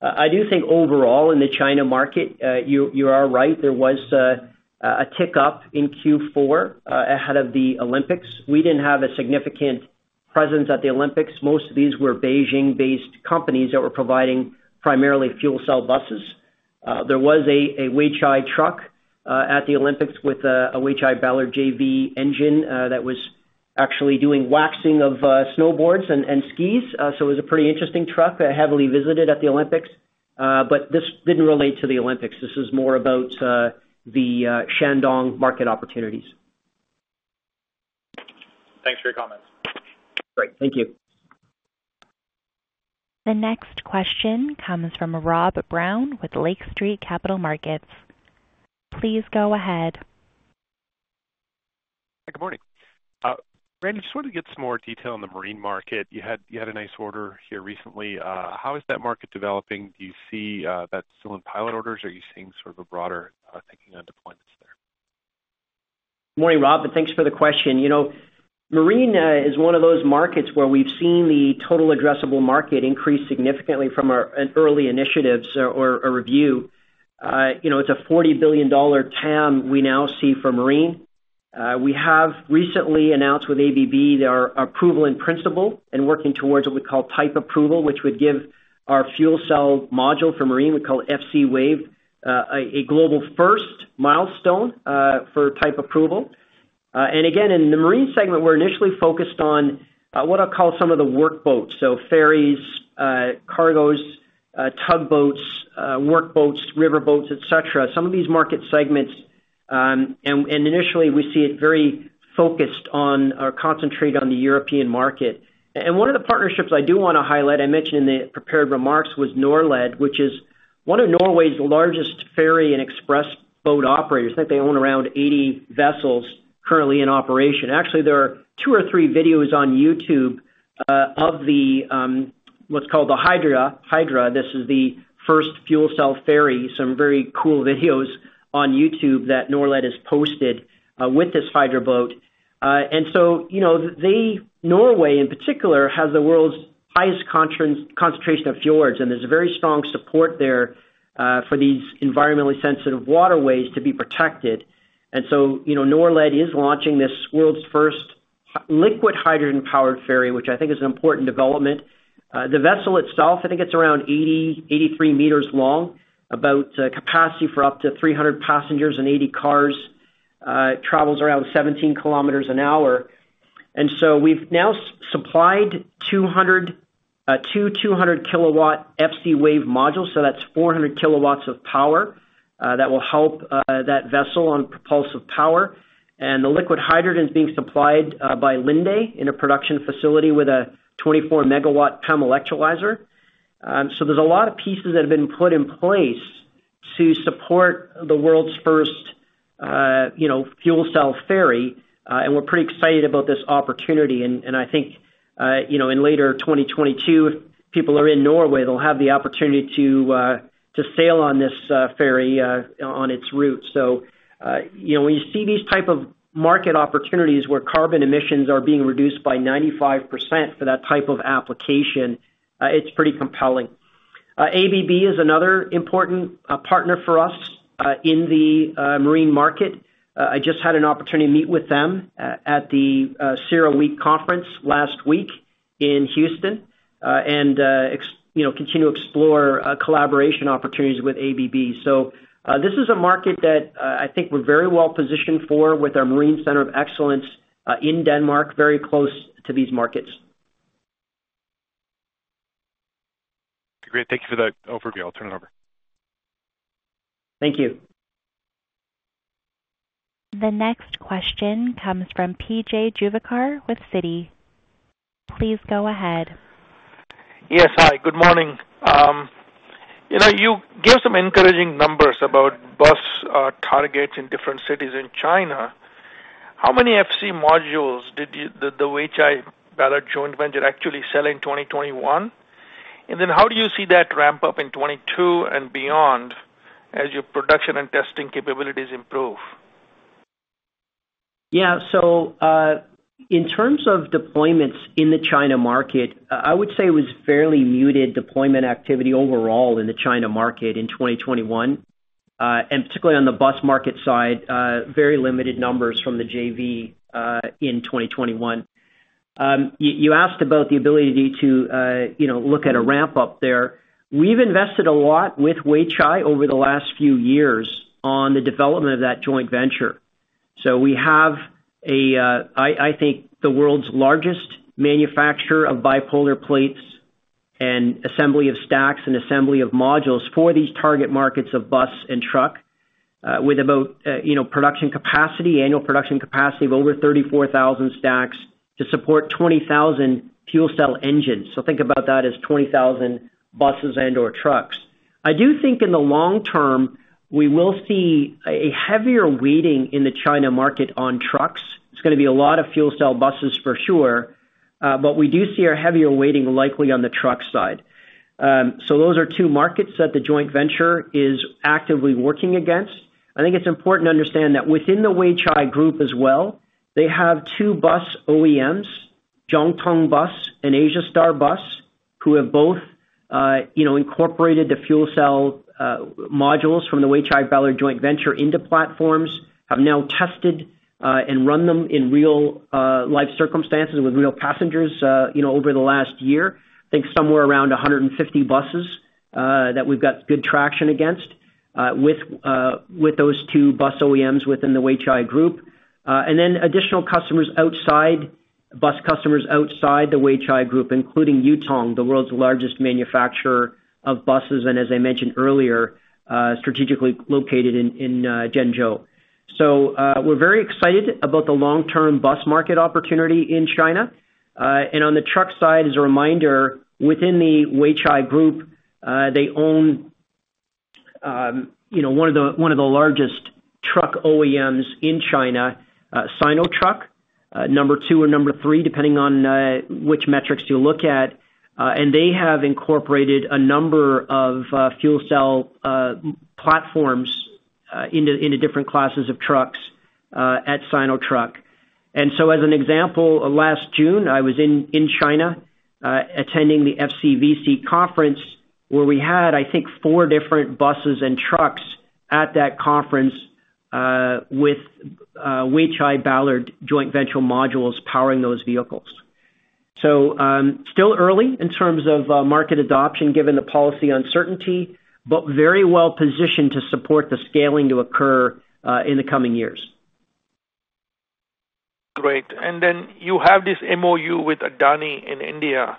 I do think overall in the China market, you are right. There was a tick up in Q4 ahead of the Olympics. We didn't have a significant presence at the Olympics. Most of these were Beijing-based companies that were providing primarily fuel cell buses. There was a Weichai truck at the Olympics with a Weichai-Ballard JV engine that was actually doing waxing of snowboards and skis. It was a pretty interesting truck, heavily visited at the Olympics. This didn't relate to the Olympics. This is more about the Shandong market opportunities. Thanks for your comments. Great. Thank you. The next question comes from Rob Brown with Lake Street Capital Markets. Please go ahead. Good morning. Randy, just wanted to get some more detail on the marine market. You had a nice order here recently. How is that market developing? Do you see that still in pilot orders or are you seeing sort of a broader thinking on deployments there? Morning, Rob, and thanks for the question. You know, marine is one of those markets where we've seen the total addressable market increase significantly from our early initiatives or review. You know, it's a $40 billion TAM we now see for marine. We have recently announced with ABB their approval in principle and working towards what we call type approval, which would give our fuel cell module for marine, we call it FCwave, a global first milestone for type approval. Again, in the marine segment, we're initially focused on what I'll call some of the workboats, so ferries, cargos, tugboats, workboats, riverboats, et cetera. Some of these market segments and initially we see it very focused on or concentrated on the European market. One of the partnerships I do wanna highlight, I mentioned in the prepared remarks, was Norled, which is one of Norway's largest ferry and express boat operators. I think they own around 80 vessels currently in operation. Actually, there are 2 or 3 videos on YouTube of the, what's called the Hydra. Hydra, this is the first fuel cell ferry. Some very cool videos on YouTube that Norled has posted with this Hydra boat. You know, they, Norway in particular, has the world's highest concentration of fjords, and there's a very strong support there for these environmentally sensitive waterways to be protected. You know, Norled is launching this world's first liquid hydrogen-powered ferry, which I think is an important development. The vessel itself, I think it's around 83 meters long, about capacity for up to 300 passengers and 80 cars. It travels around 17 km/h. We've now supplied two 200 kW FCwave modules, so that's 400 kW of power that will help that vessel on propulsive power. The liquid hydrogen is being supplied by Linde in a production facility with a 24 MW PEM electrolyzer. There's a lot of pieces that have been put in place to support the world's first, you know, fuel cell ferry, and we're pretty excited about this opportunity. I think, you know, in later 2022, if people are in Norway, they'll have the opportunity to sail on this ferry on its route. You know, when you see these type of market opportunities where carbon emissions are being reduced by 95% for that type of application, it's pretty compelling. ABB is another important partner for us in the marine market. I just had an opportunity to meet with them at the CERAWeek conference last week in Houston, and you know, continue to explore collaboration opportunities with ABB. This is a market that I think we're very well positioned for with our Marine Center of Excellence in Denmark, very close to these markets. Great. Thank you for that overview. I'll turn it over. Thank you. The next question comes from P.J. Juvekar with Citi. Please go ahead. Yes. Hi, good morning. You know, you gave some encouraging numbers about bus targets in different cities in China. How many FC modules did the Weichai-Ballard JV joint venture actually sell in 2021? And then how do you see that ramp up in 2022 and beyond as your production and testing capabilities improve? Yeah. In terms of deployments in the China market, I would say it was fairly muted deployment activity overall in the China market in 2021. Particularly on the bus market side, very limited numbers from the JV in 2021. You asked about the ability to, you know, look at a ramp up there. We've invested a lot with Weichai over the last few years on the development of that joint venture. We have, I think, the world's largest manufacturer of bipolar plates and assembly of stacks and assembly of modules for these target markets of bus and truck, with about, you know, production capacity, annual production capacity of over 34,000 stacks to support 20,000 fuel cell engines. Think about that as 20,000 buses and/or trucks. I do think in the long term, we will see a heavier weighting in the China market on trucks. It's gonna be a lot of fuel cell buses for sure, but we do see a heavier weighting likely on the truck side. Those are two markets that the joint venture is actively working on. I think it's important to understand that within the Weichai Group as well, they have two bus OEMs, Zhongtong Bus and Asiastar Bus, who have both, you know, incorporated the fuel cell modules from the Weichai Ballard joint venture into platforms, have now tested, and run them in real life circumstances with real passengers, you know, over the last year. I think somewhere around 150 buses that we've got good traction against with those two bus OEMs within the Weichai Group. And then additional customers outside, bus customers outside the Weichai Group, including Yutong, the world's largest manufacturer of buses, and as I mentioned earlier, strategically located in Zhengzhou. We're very excited about the long-term bus market opportunity in China. On the truck side, as a reminder, within the Weichai Group, they own, you know, one of the largest truck OEMs in China, Sinotruk, number two or number three, depending on which metrics you look at. They have incorporated a number of fuel cell platforms into different classes of trucks at Sinotruk. As an example, last June, I was in China, attending the FCVC conference, where we had, I think, four different buses and trucks at that conference, with Weichai Ballard joint venture modules powering those vehicles. Still early in terms of market adoption given the policy uncertainty, but very well positioned to support the scaling to occur in the coming years. Great. Then you have this MOU with Adani in India.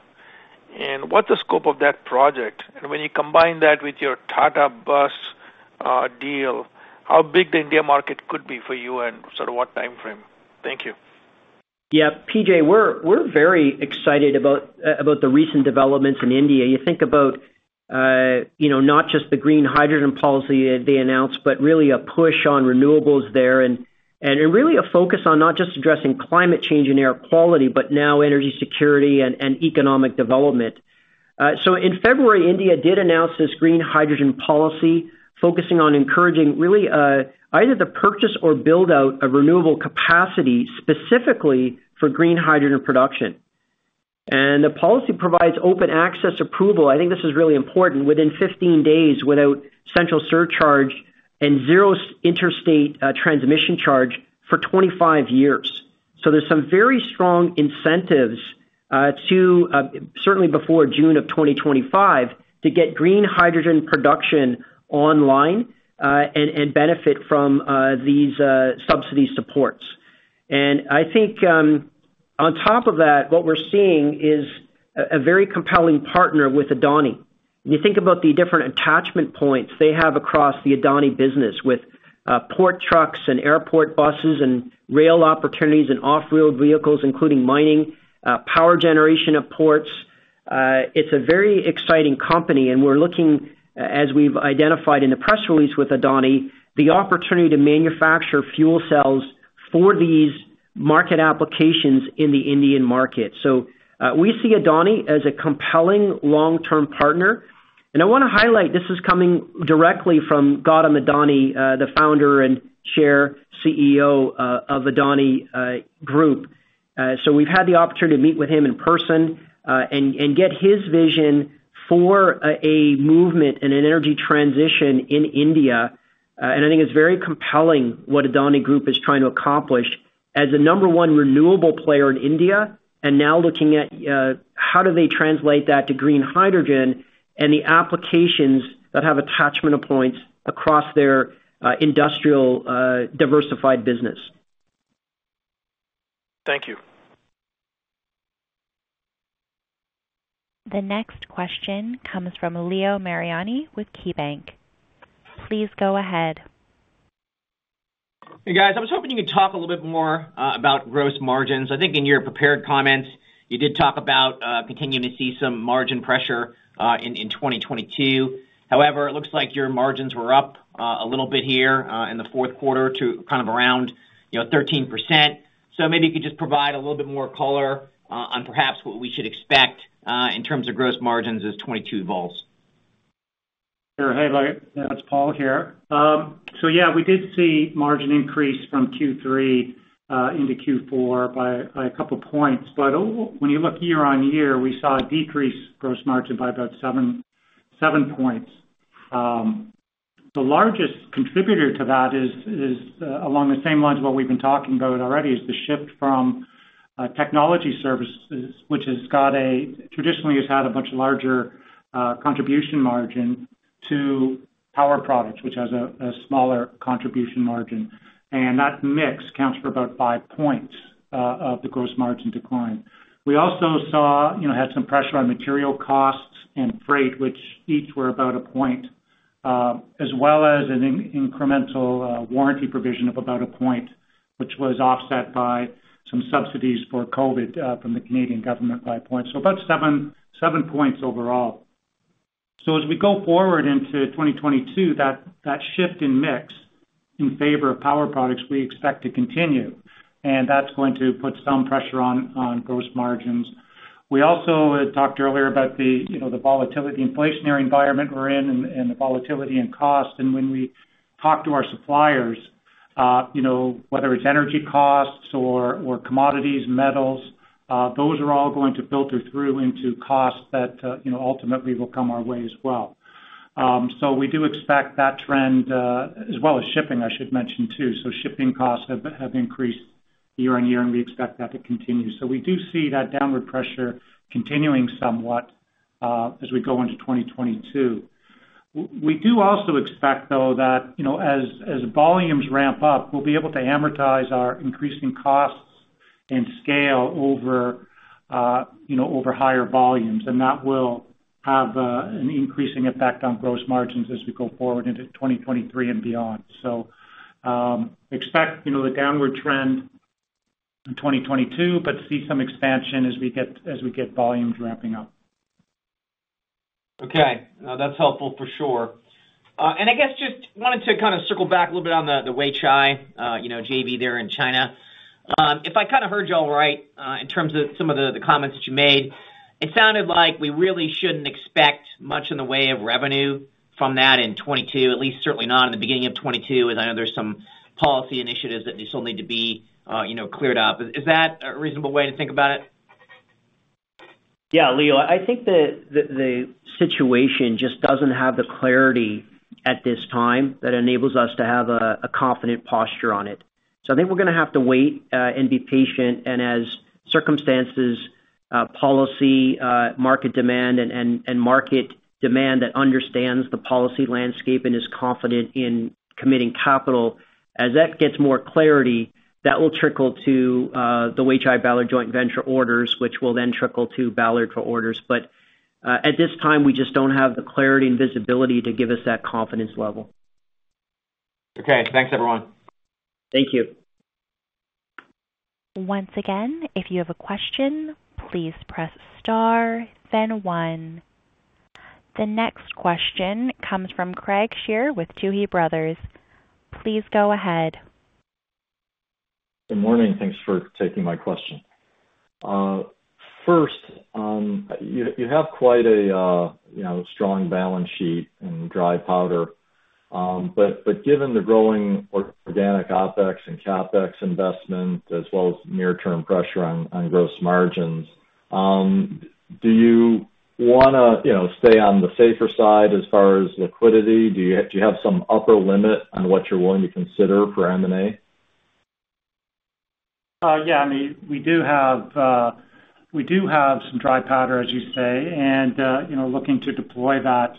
What's the scope of that project? When you combine that with your Tata bus deal, how big the India market could be for you and sort of what time frame? Thank you. Yeah, P.J., we're very excited about the recent developments in India. You think about, you know, not just the green hydrogen policy they announced, but really a push on renewables there and really a focus on not just addressing climate change and air quality, but now energy security and economic development. In February, India did announce this green hydrogen policy focusing on encouraging really either the purchase or build out of renewable capacity specifically for green hydrogen production. The policy provides open access approval, I think this is really important, within 15 days without central surcharge and zero interstate transmission charge for 25 years. There's some very strong incentives to certainly before June 2025, to get green hydrogen production online and benefit from these subsidy supports. I think on top of that, what we're seeing is a very compelling partner with Adani. When you think about the different attachment points they have across the Adani business with port trucks and airport buses and rail opportunities and off-road vehicles, including mining, power generation of ports, it's a very exciting company, and we're looking as we've identified in the press release with Adani, the opportunity to manufacture fuel cells for these market applications in the Indian market. We see Adani as a compelling long-term partner. I wanna highlight this is coming directly from Gautam Adani, the founder and chairman, CEO, of Adani Group. We've had the opportunity to meet with him in person and get his vision for a movement and an energy transition in India. I think it's very compelling what Adani Group is trying to accomplish as the number one renewable player in India and now looking at how do they translate that to green hydrogen and the applications that have attachment points across their industrial, diversified business. Thank you. The next question comes from Leo Mariani with KeyBank. Please go ahead. Hey, guys. I was hoping you could talk a little bit more about gross margins. I think in your prepared comments, you did talk about continuing to see some margin pressure in 2022. However, it looks like your margins were up a little bit here in the fourth quarter to kind of around, you know, 13%. Maybe you could just provide a little bit more color on perhaps what we should expect in terms of gross margins as 2022 evolves. Sure. Hey, buddy. It's Paul here. Yeah, we did see margins increase from Q3 into Q4 by a couple points. But when you look year-over-year, we saw a decrease in gross margin by about seven points. The largest contributor to that is along the same lines what we've been talking about already, the shift from technology services, which traditionally has had a much larger contribution margin to power products, which has a smaller contribution margin. That mix counts for about 5 points of the gross margin decline. We also saw had some pressure on material costs and freight, which each were about 1%, as well as an incremental warranty provision of about 1%, which was offset by some subsidies for COVID from the Canadian government by 1%. About 7% overall. As we go forward into 2022, that shift in mix in favor of power products we expect to continue, and that's going to put some pressure on gross margins. We also had talked earlier about the volatility, inflationary environment we're in and the volatility and cost. When we talk to our suppliers, whether it's energy costs or commodities, metals, those are all going to filter through into costs that ultimately will come our way as well. We do expect that trend, as well as shipping, I should mention too. Shipping costs have increased year on year, and we expect that to continue. We do see that downward pressure continuing somewhat, as we go into 2022. We do also expect, though, that, you know, as volumes ramp up, we'll be able to amortize our increasing costs. Scale over, you know, over higher volumes, and that will have an increasing effect on gross margins as we go forward into 2023 and beyond. Expect, you know, the downward trend in 2022, but see some expansion as we get volumes ramping up. Okay. No, that's helpful for sure. I guess just wanted to kind of circle back a little bit on the Weichai, you know, JV there in China. If I kind of heard y'all right, in terms of some of the comments that you made, it sounded like we really shouldn't expect much in the way of revenue from that in 2022, at least certainly not in the beginning of 2022, and I know there's some policy initiatives that still need to be, you know, cleared up. Is that a reasonable way to think about it? Yeah, Leo, I think the situation just doesn't have the clarity at this time that enables us to have a confident posture on it. I think we're gonna have to wait and be patient, and as circumstances, policy, market demand and market demand that understands the policy landscape and is confident in committing capital, as that gets more clarity, that will trickle to the Weichai-Ballard JV joint venture orders, which will then trickle to Ballard for orders. At this time, we just don't have the clarity and visibility to give us that confidence level. Okay. Thanks, everyone. Thank you. Once again, if you have a question, please press star then one. The next question comes from Craig Shere with Tuohy Brothers. Please go ahead. Good morning. Thanks for taking my question. First, you have quite a, you know, strong balance sheet and dry powder. Given the growing organic OpEx and CapEx investment, as well as near-term pressure on gross margins, do you wanna, you know, stay on the safer side as far as liquidity? Do you have some upper limit on what you're willing to consider for M&A? Yeah. I mean, we do have some dry powder, as you say, and, you know, looking to deploy that,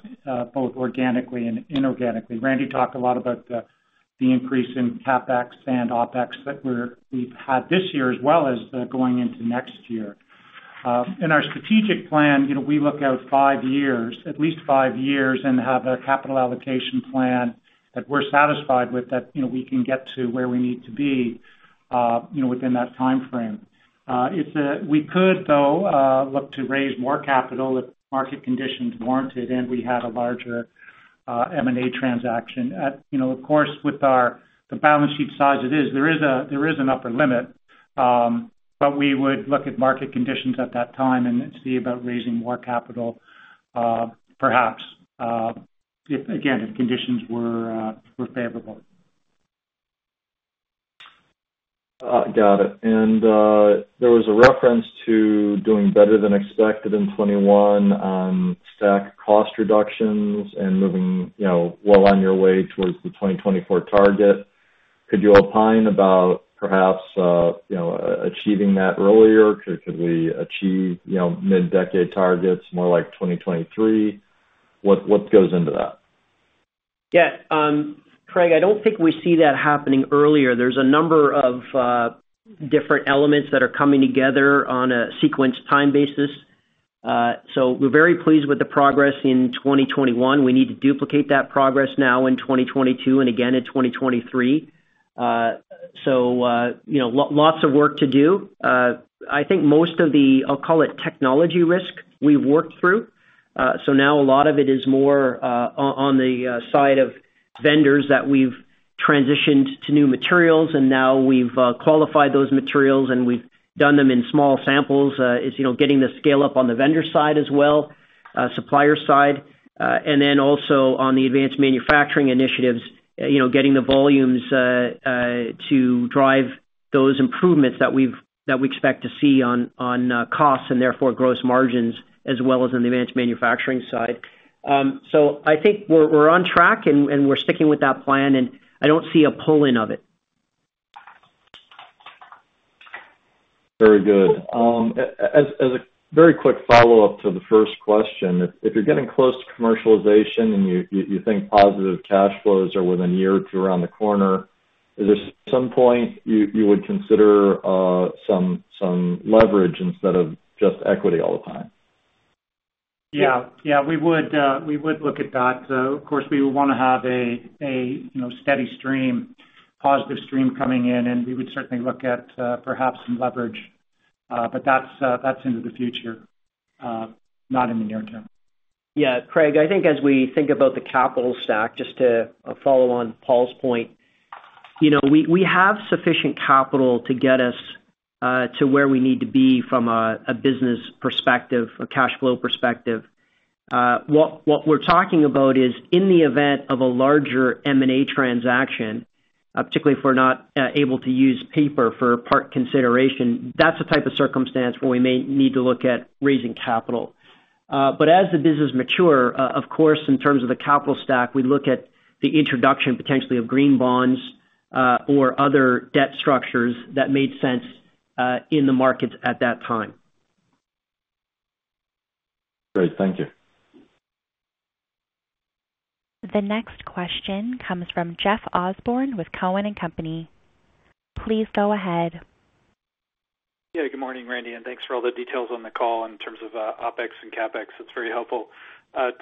both organically and inorganically. Randy talked a lot about the increase in CapEx and OpEx that we've had this year, as well as going into next year. In our strategic plan, you know, we look out five years, at least five years, and have a capital allocation plan that we're satisfied with that, you know, we can get to where we need to be, within that timeframe. We could though, look to raise more capital if market conditions warranted, and we had a larger M&A transaction. You know, of course, with the balance sheet size it is, there is an upper limit, but we would look at market conditions at that time and see about raising more capital, perhaps, if conditions were favorable. Got it. There was a reference to doing better than expected in 2021 on stack cost reductions and moving, you know, well on your way towards the 2024 target. Could you opine about perhaps, you know, achieving that earlier? Could we achieve, you know, mid-decade targets more like 2023? What goes into that? Yeah. Craig, I don't think we see that happening earlier. There's a number of different elements that are coming together on a sequenced time basis. We're very pleased with the progress in 2021. We need to duplicate that progress now in 2022 and again in 2023. You know, lots of work to do. I think most of the, I'll call it technology risk we've worked through. Now a lot of it is more on the side of vendors that we've transitioned to new materials, and now we've qualified those materials, and we've done them in small samples. It's you know, getting the scale up on the vendor side as well, supplier side. Also on the advanced manufacturing initiatives, you know, getting the volumes to drive those improvements that we expect to see on costs and therefore gross margins, as well as on the advanced manufacturing side. I think we're on track and we're sticking with that plan, and I don't see a pulling of it. Very good. As a very quick follow-up to the first question. If you're getting close to commercialization and you think positive cash flows are within a year or two around the corner, is there some point you would consider some leverage instead of just equity all the time? Yeah. We would look at that. Of course, we would wanna have a you know, steady stream, positive stream coming in, and we would certainly look at perhaps some leverage. That's into the future, not in the near term. Yeah. Craig, I think as we think about the capital stack, just to follow on Paul's point, you know, we have sufficient capital to get us to where we need to be from a business perspective, a cash flow perspective. What we're talking about is in the event of a larger M&A transaction, particularly if we're not able to use paper for part consideration, that's the type of circumstance where we may need to look at raising capital. As the business mature, of course, in terms of the capital stack, we look at the introduction potentially of green bonds or other debt structures that made sense in the markets at that time. Great. Thank you. The next question comes from Jeff Osborne with Cowen and Company. Please go ahead. Yeah. Good morning, Randy, and thanks for all the details on the call in terms of OPEX and CapEx. It's very helpful.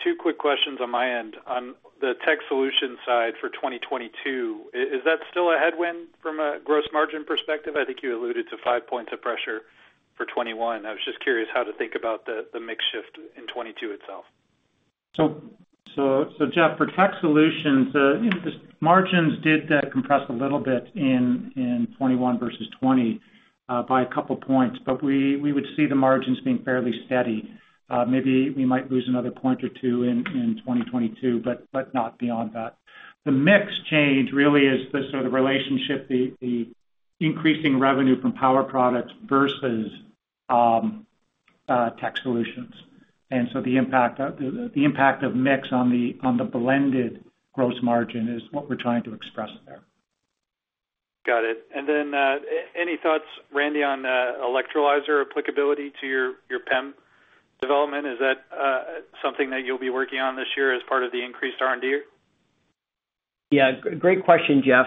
Two quick questions on my end. On the tech solutions side for 2022, is that still a headwind from a gross margin perspective? I think you alluded to five points of pressure for 2021. I was just curious how to think about the mix shift in 2022 itself. Jeff, for tech solutions, the margins did decompress a little bit in 2021 versus 2020 by a couple points. We would see the margins being fairly steady. Maybe we might lose another point or two in 2022, but not beyond that. The mix change really is the sort of relationship, the increasing revenue from power products versus tech solutions. The impact of mix on the blended gross margin is what we're trying to express there. Got it. Any thoughts, Randy, on electrolyzer applicability to your PEM development? Is that something that you'll be working on this year as part of the increased R&D? Yeah. Great question, Jeff.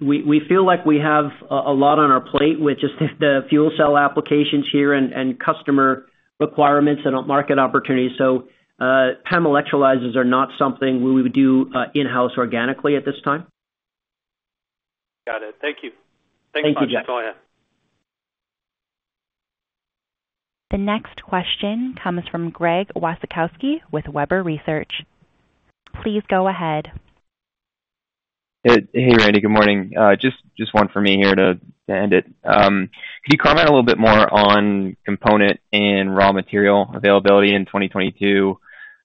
We feel like we have a lot on our plate with just the fuel cell applications here and customer requirements and market opportunities. PEM electrolyzers are not something we would do in-house organically at this time. Got it. Thank you. Thank you, Jeff. Thanks so much. Bye. The next question comes from Greg Wasikowski with Webber Research. Please go ahead. Hey, Randy. Good morning. Just one for me here to end it. Could you comment a little bit more on component and raw material availability in 2022,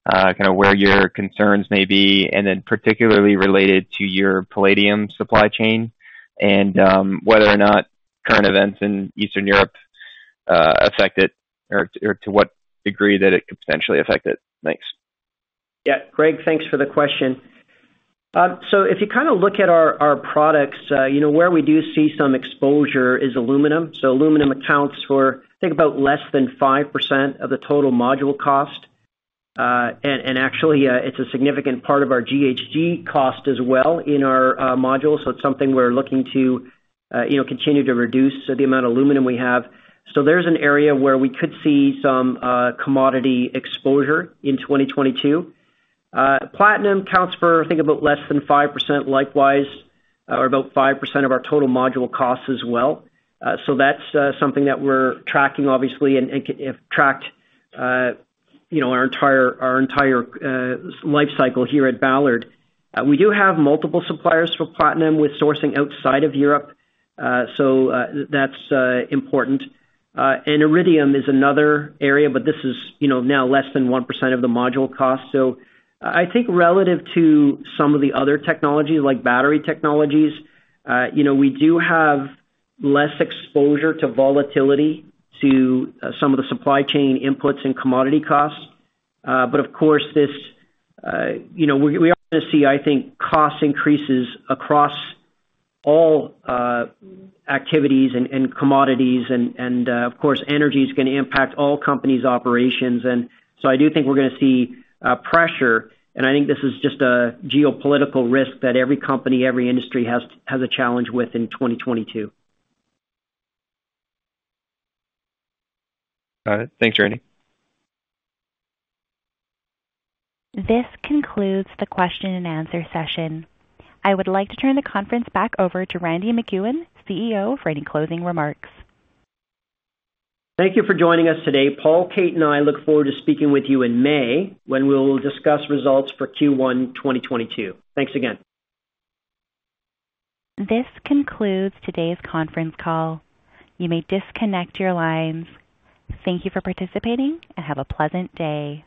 kinda where your concerns may be, and then particularly related to your palladium supply chain and whether or not current events in Eastern Europe affect it or to what degree that it could potentially affect it. Thanks. Yeah. Greg, thanks for the question. If you kinda look at our products, you know, where we do see some exposure is aluminum. Aluminum accounts for, I think about less than 5% of the total module cost. Actually, it's a significant part of our BOM cost as well in our modules, so it's something we're looking to, you know, continue to reduce, the amount of aluminum we have. There's an area where we could see some commodity exposure in 2022. Platinum accounts for, I think about less than 5% likewise, or about 5% of our total module cost as well. That's something that we're tracking obviously and have tracked, you know, our entire life cycle here at Ballard. We do have multiple suppliers for platinum with sourcing outside of Europe, so that's important. Iridium is another area, but this is, you know, now less than 1% of the module cost. I think relative to some of the other technologies like battery technologies, you know, we do have less exposure to volatility to some of the supply chain inputs and commodity costs. But of course, this, you know, we are gonna see, I think, cost increases across all activities and commodities and of course, energy is gonna impact all companies' operations. I do think we're gonna see pressure, and I think this is just a geopolitical risk that every company, every industry has a challenge with in 2022. Got it. Thanks, Randy. This concludes the question and answer session. I would like to turn the conference back over to Randy MacEwen, CEO, for any closing remarks. Thank you for joining us today. Paul, Kate, and I look forward to speaking with you in May when we'll discuss results for Q1 2022. Thanks again. This concludes today's conference call. You may disconnect your lines. Thank you for participating, and have a pleasant day.